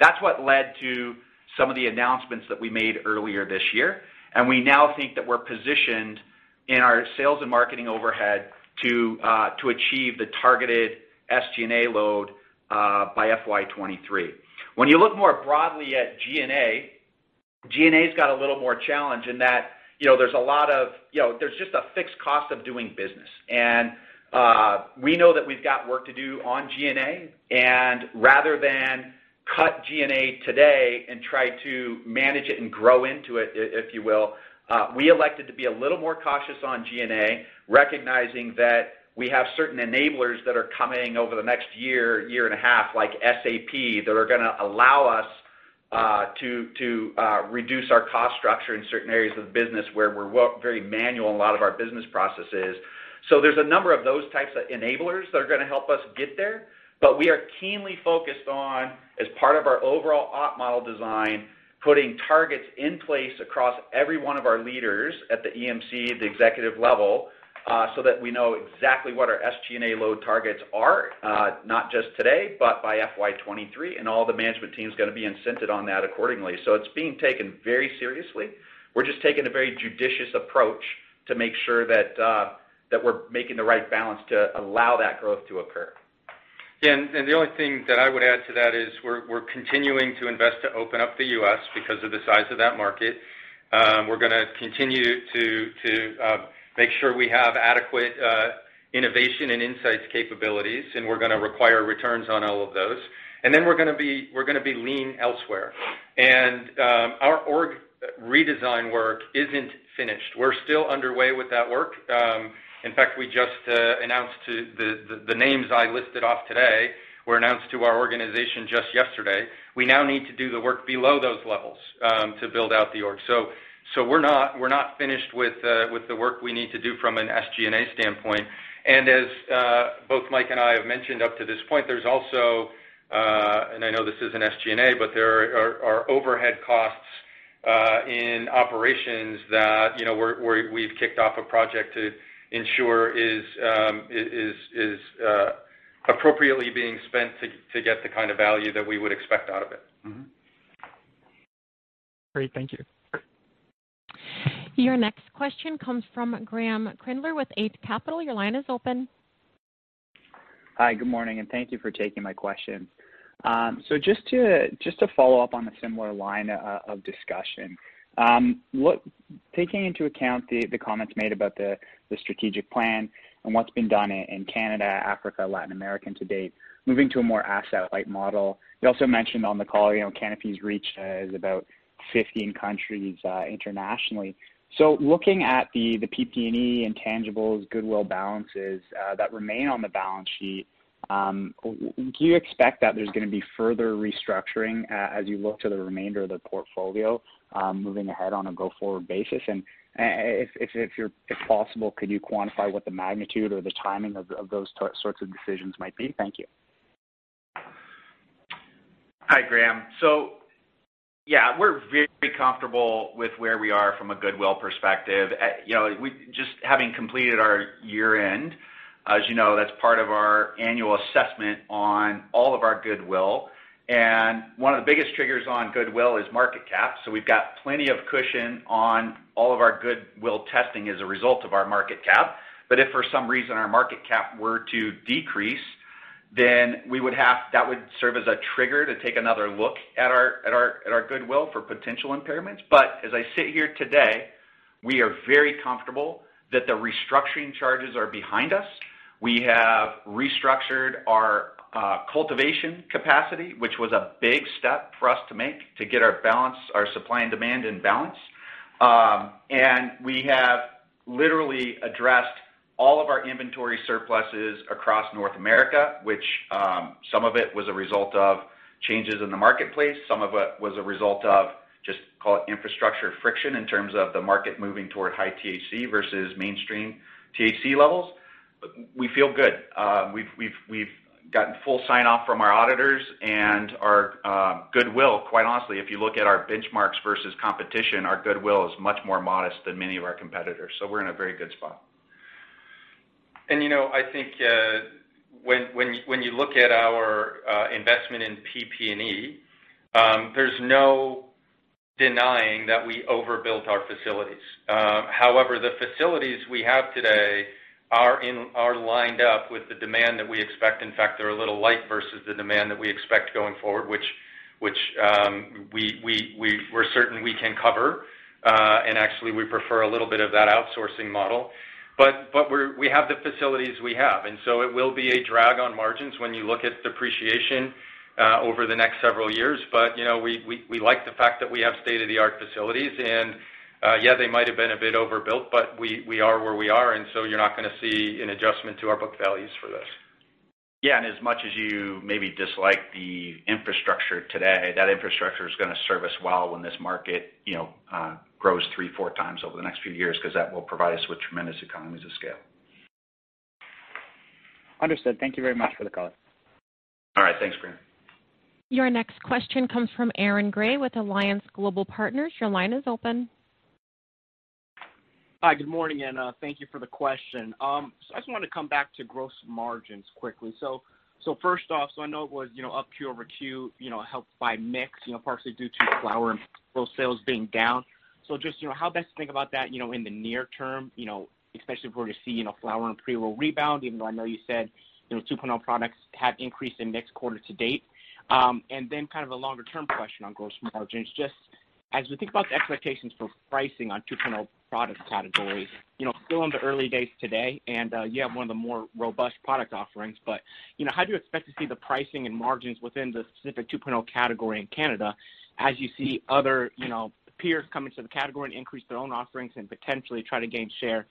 S4: That's what led to some of the announcements that we made earlier this year, and we now think that we're positioned in our sales and marketing overhead to achieve the targeted SG&A load by FY 2023. When you look more broadly at G&A, G&A's got a little more challenge in that there's just a fixed cost of doing business. We know that we've got work to do on G&A, and rather than cut G&A today and try to manage it and grow into it, if you will, we elected to be a little more cautious on G&A, recognizing that we have certain enablers that are coming over the next year and a half, like SAP, that are going to allow us to reduce our cost structure in certain areas of the business where we're very manual in a lot of our business processes. There's a number of those types of enablers that are going to help us get there. We are keenly focused on, as part of our overall op model design, putting targets in place across every one of our leaders at the EMC, the executive level, so that we know exactly what our SG&A load targets are, not just today, but by FY 2023. All the management team is going to be incented on that accordingly. It's being taken very seriously. We're just taking a very judicious approach to make sure that we're making the right balance to allow that growth to occur.
S3: The only thing that I would add to that is we're continuing to invest to open up the U.S. because of the size of that market. We're going to continue to make sure we have adequate innovation and insights capabilities, and we're going to require returns on all of those. Then we're going to be lean elsewhere. Our org redesign work isn't finished. We're still underway with that work. In fact, we just announced the names I listed off today, were announced to our organization just yesterday. We now need to do the work below those levels, to build out the org. We're not finished with the work we need to do from an SG&A standpoint. As both Mike and I have mentioned up to this point, there's also, and I know this isn't SG&A, but there are overhead costs in operations that we've kicked off a project to ensure is appropriately being spent to get the kind of value that we would expect out of it.
S11: Mm-hmm. Great. Thank you.
S1: Your next question comes from Graeme Kreindler with Eight Capital. Your line is open.
S12: Hi, good morning, thank you for taking my question. Just to follow up on a similar line of discussion. Taking into account the comments made about the strategic plan and what's been done in Canada, Africa, Latin America to date, moving to a more asset-light model. You also mentioned on the call, Canopy's reach is about 15 countries internationally. Looking at the PP&E intangibles, goodwill balances that remain on the balance sheet, do you expect that there's going to be further restructuring as you look to the remainder of the portfolio, moving ahead on a go-forward basis? If possible, could you quantify what the magnitude or the timing of those sorts of decisions might be? Thank you.
S4: Hi, Graeme. Yeah, we're very comfortable with where we are from a goodwill perspective. Just having completed our year-end, as you know, that's part of our annual assessment on all of our goodwill. One of the biggest triggers on goodwill is market cap. We've got plenty of cushion on all of our goodwill testing as a result of our market cap. If for some reason our market cap were to decrease, that would serve as a trigger to take another look at our goodwill for potential impairments. As I sit here today, we are very comfortable that the restructuring charges are behind us. We have restructured our cultivation capacity, which was a big step for us to make to get our supply and demand in balance. We have literally addressed all of our inventory surpluses across North America, which some of it was a result of changes in the marketplace. Some of it was a result of just, call it infrastructure friction in terms of the market moving toward high THC versus mainstream THC levels. We feel good. We've gotten full sign-off from our auditors and our goodwill, quite honestly, if you look at our benchmarks versus competition, our goodwill is much more modest than many of our competitors. We're in a very good spot.
S3: I think when you look at our investment in PP&E, there's no denying that we overbuilt our facilities. However, the facilities we have today are lined up with the demand that we expect. In fact, they're a little light versus the demand that we expect going forward, which we're certain we can cover. Actually, we prefer a little bit of that outsourcing model. We have the facilities we have, it will be a drag on margins when you look at depreciation over the next several years. We like the fact that we have state-of-the-art facilities. Yeah, they might have been a bit overbuilt, we are where we are, you're not going to see an adjustment to our book values for this.
S4: As much as you maybe dislike the infrastructure today, that infrastructure is going to serve us well when this market grows three, four times over the next few years because that will provide us with tremendous economies of scale.
S12: Understood. Thank you very much for the call.
S4: All right. Thanks, Graeme.
S1: Your next question comes from Aaron Grey with Alliance Global Partners. Your line is open.
S13: Hi, good morning, thank you for the question. I just want to come back to gross margins quickly. First off, so I know it was up quarter-over-quarter, helped by mix, partially due to flower and pre-roll sales being down. Just how best to think about that in the near term, especially if we're to see flower and pre-roll rebound, even though I know you said 2.0 products have increased in next quarter to date. Then kind of a longer-term question on gross margins. Just as we think about the expectations for pricing on 2.0 product categories, still in the early days today, and you have one of the more robust product offerings. How do you expect to see the pricing and margins within the specific 2.0 category in Canada as you see other peers come into the category and increase their own offerings and potentially try to gain share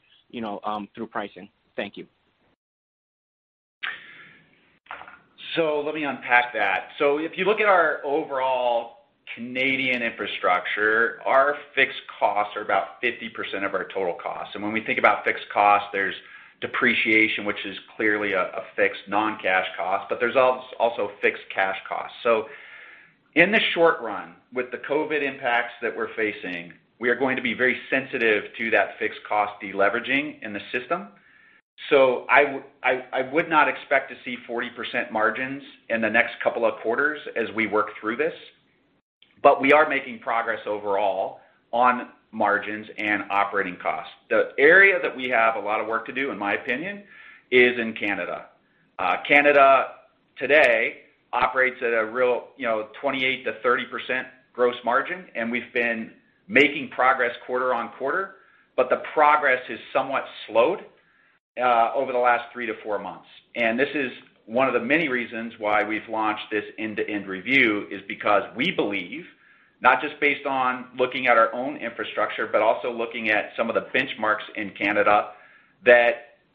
S13: through pricing? Thank you.
S4: Let me unpack that. If you look at our overall Canadian infrastructure, our fixed costs are about 50% of our total costs. And when we think about fixed costs, there's depreciation, which is clearly a fixed non-cash cost, but there's also fixed cash costs. In the short run, with the COVID impacts that we're facing, we are going to be very sensitive to that fixed cost deleveraging in the system. I would not expect to see 40% margins in the next couple of quarters as we work through this. We are making progress overall on margins and operating costs. The area that we have a lot of work to do, in my opinion, is in Canada. Canada today operates at a real 28%-30% gross margin, and we've been making progress quarter on quarter, but the progress has somewhat slowed over the last three to four months. This is one of the many reasons why we've launched this end-to-end review is because we believe, not just based on looking at our own infrastructure, but also looking at some of the benchmarks in Canada,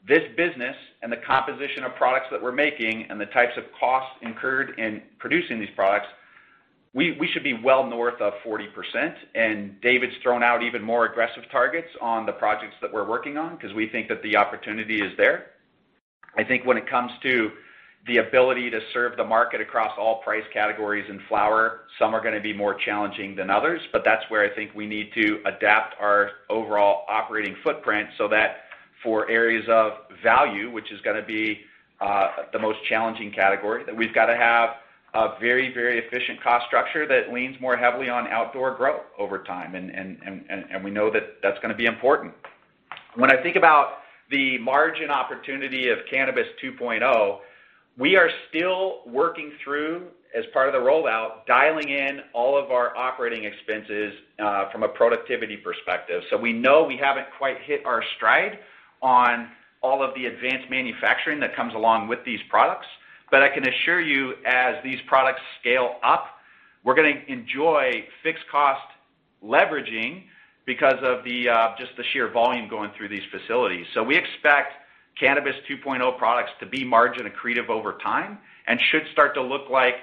S4: that this business and the composition of products that we're making and the types of costs incurred in producing these products, we should be well north of 40%. David's thrown out even more aggressive targets on the projects that we're working on because we think that the opportunity is there. I think when it comes to the ability to serve the market across all price categories in flower, some are going to be more challenging than others, but that's where I think we need to adapt our overall operating footprint so that for areas of value, which is going to be the most challenging category, that we've got to have a very efficient cost structure that leans more heavily on outdoor growth over time. We know that's going to be important. When I think about the margin opportunity of Cannabis 2.0, we are still working through, as part of the rollout, dialing in all of our operating expenses from a productivity perspective. We know we haven't quite hit our stride on all of the advanced manufacturing that comes along with these products. I can assure you, as these products scale up, we're going to enjoy fixed cost leveraging because of just the sheer volume going through these facilities. We expect Cannabis 2.0 products to be margin accretive over time and should start to look like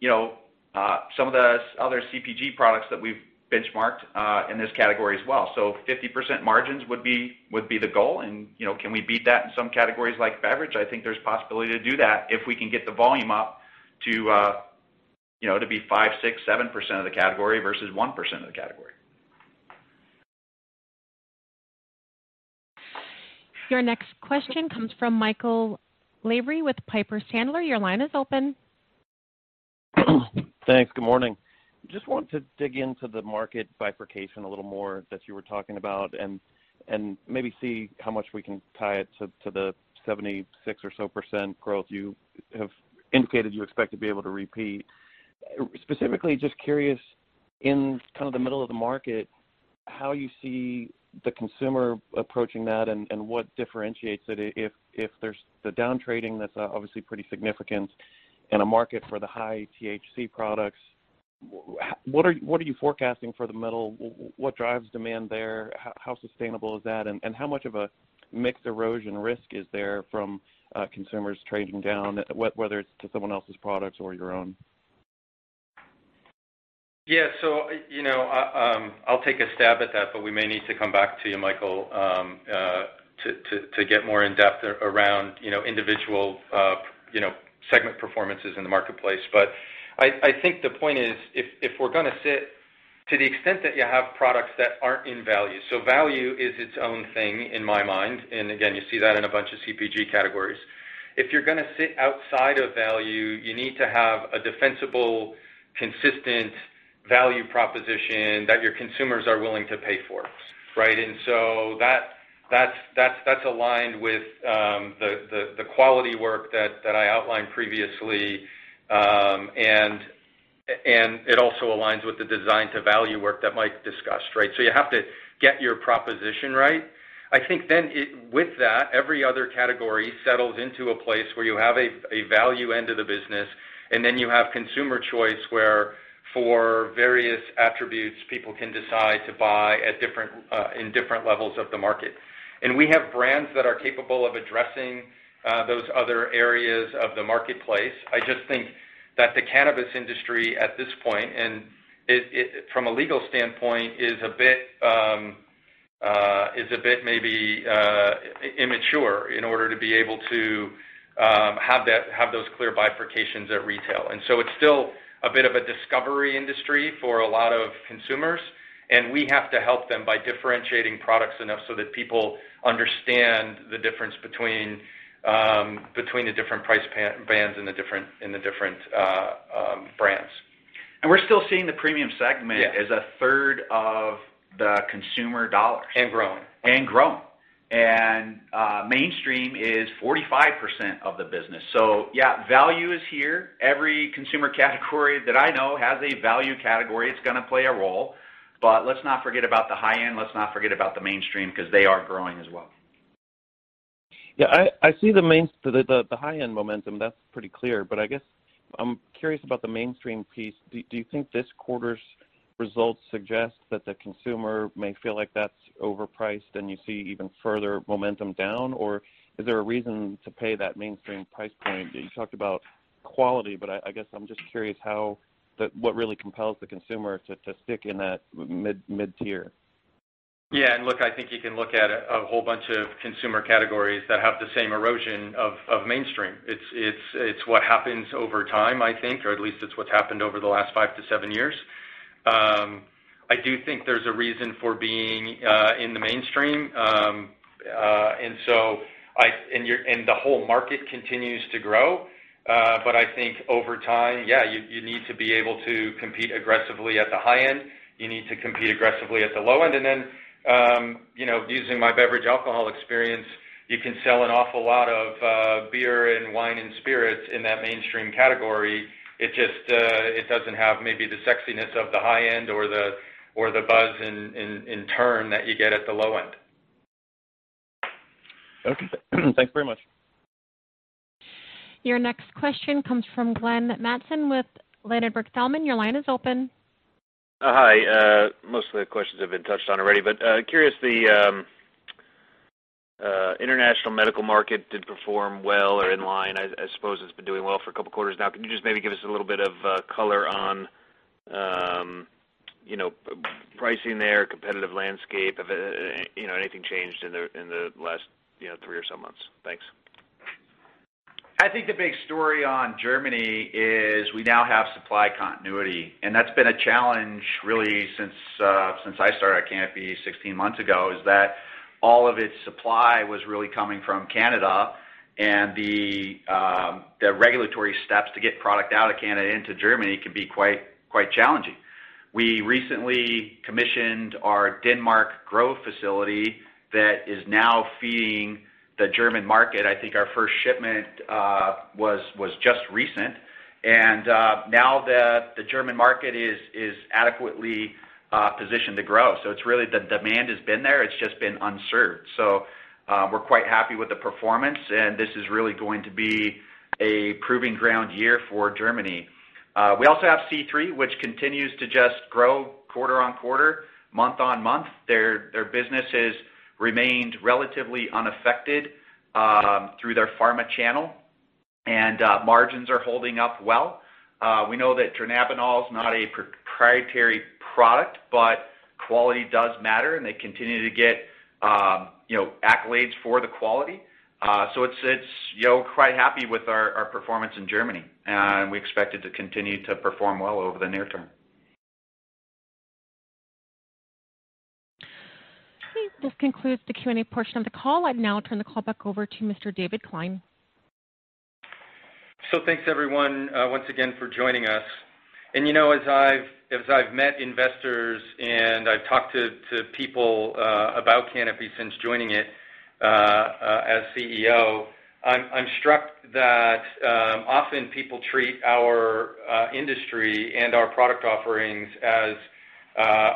S4: some of the other CPG products that we've benchmarked in this category as well. 50% margins would be the goal. Can we beat that in some categories, like beverage? I think there's possibility to do that if we can get the volume up to be 5%, 6%, 7% of the category versus 1% of the category.
S1: Your next question comes from Michael Lavery with Piper Sandler. Your line is open.
S14: Thanks. Good morning. Just want to dig into the market bifurcation a little more that you were talking about and maybe see how much we can tie it to the 76% or so growth you have indicated you expect to be able to repeat. Specifically, just curious, in the middle of the market, how you see the consumer approaching that and what differentiates it if there's the down trading that's obviously pretty significant and a market for the high-THC products. What are you forecasting for the middle? What drives demand there? How sustainable is that? How much of a mix erosion risk is there from consumers trading down, whether it's to someone else's products or your own?
S3: I'll take a stab at that, but we may need to come back to you, Michael, to get more in depth around individual segment performances in the marketplace. I think the point is, to the extent that you have products that aren't in value is its own thing in my mind, and again, you see that in a bunch of CPG categories. If you're going to sit outside of value, you need to have a defensible, consistent value proposition that your consumers are willing to pay for. That's aligned with the quality work that I outlined previously, and it also aligns with the design to value work that Mike discussed. You have to get your proposition right. I think with that, every other category settles into a place where you have a value end of the business, and then you have consumer choice, where for various attributes, people can decide to buy in different levels of the market. We have brands that are capable of addressing those other areas of the marketplace. I just think that the cannabis industry at this point, and from a legal standpoint, is a bit maybe immature in order to be able to have those clear bifurcations at retail. It's still a bit of a discovery industry for a lot of consumers, and we have to help them by differentiating products enough so that people understand the difference between the different price bands and the different brands.
S4: We're still seeing the premium segment-
S3: Yeah.
S4: as a third of the consumer dollars.
S3: And growing.
S4: And growing. Mainstream is 45% of the business. Yeah, value is here. Every consumer category that I know has a value category. It's going to play a role. Let's not forget about the high-end, let's not forget about the mainstream, because they are growing as well.
S14: Yeah. I see the high-end momentum. That's pretty clear. I guess I'm curious about the mainstream piece. Do you think this quarter's results suggest that the consumer may feel like that's overpriced and you see even further momentum down? Is there a reason to pay that mainstream price point? You talked about quality, I guess I'm just curious what really compels the consumer to stick in that mid-tier.
S3: Yeah. Look, I think you can look at a whole bunch of consumer categories that have the same erosion of mainstream. It's what happens over time, I think, or at least it's what's happened over the last five to seven years. I do think there's a reason for being in the mainstream. I think over time, yeah, you need to be able to compete aggressively at the high end. You need to compete aggressively at the low end. Using my beverage alcohol experience, you can sell an awful lot of beer and wine and spirits in that mainstream category. It just doesn't have maybe the sexiness of the high end or the buzz in turn that you get at the low end.
S14: Okay. Thanks very much.
S1: Your next question comes from Glenn Mattson with Ladenburg Thalmann. Your line is open.
S15: Hi. Most of the questions have been touched on already, but curious, the international medical market did perform well or in line. I suppose it's been doing well for a couple of quarters now. Can you just maybe give us a little bit of color on pricing there, competitive landscape, anything changed in the last three or so months? Thanks.
S4: I think the big story on Germany is we now have supply continuity, and that's been a challenge really since I started at Canopy 16 months ago, is that all of its supply was really coming from Canada, and the regulatory steps to get product out of Canada into Germany can be quite challenging. We recently commissioned our Denmark growth facility that is now feeding the German market. I think our first shipment was just recent. Now the German market is adequately positioned to grow. The demand has been there. It's just been unserved. We're quite happy with the performance, and this is really going to be a proving ground year for Germany. We also have C3, which continues to just grow quarter on quarter, month on month. Their business has remained relatively unaffected through their pharma channel. Margins are holding up well. We know that dronabinol is not a proprietary product, but quality does matter, and they continue to get accolades for the quality. We're quite happy with our performance in Germany, and we expect it to continue to perform well over the near term.
S1: Okay. This concludes the Q&A portion of the call. I'd now turn the call back over to Mr. David Klein.
S3: Thanks everyone, once again for joining us. As I've met investors and I've talked to people about Canopy since joining it as CEO, I'm struck that often people treat our industry and our product offerings as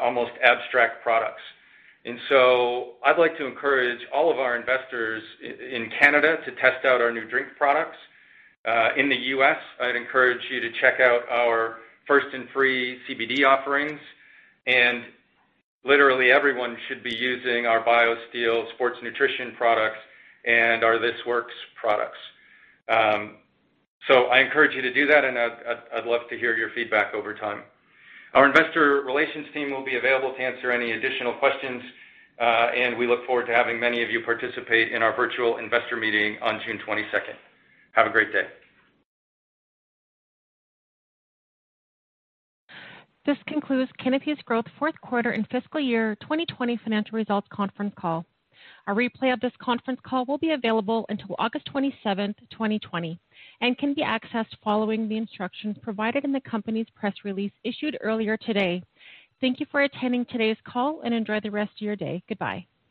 S3: almost abstract products. I'd like to encourage all of our investors in Canada to test out our new drink products. In the U.S., I'd encourage you to check out our First & Free CBD offerings, and literally everyone should be using our BioSteel sports nutrition products and our This Works products. I encourage you to do that and I'd love to hear your feedback over time. Our investor relations team will be available to answer any additional questions. We look forward to having many of you participate in our virtual investor meeting on June 22nd. Have a great day.
S1: This concludes Canopy Growth's fourth quarter and fiscal year 2020 financial results conference call. A replay of this conference call will be available until August 27th, 2020 and can be accessed following the instructions provided in the company's press release issued earlier today. Thank you for attending today's call and enjoy the rest of your day. Goodbye.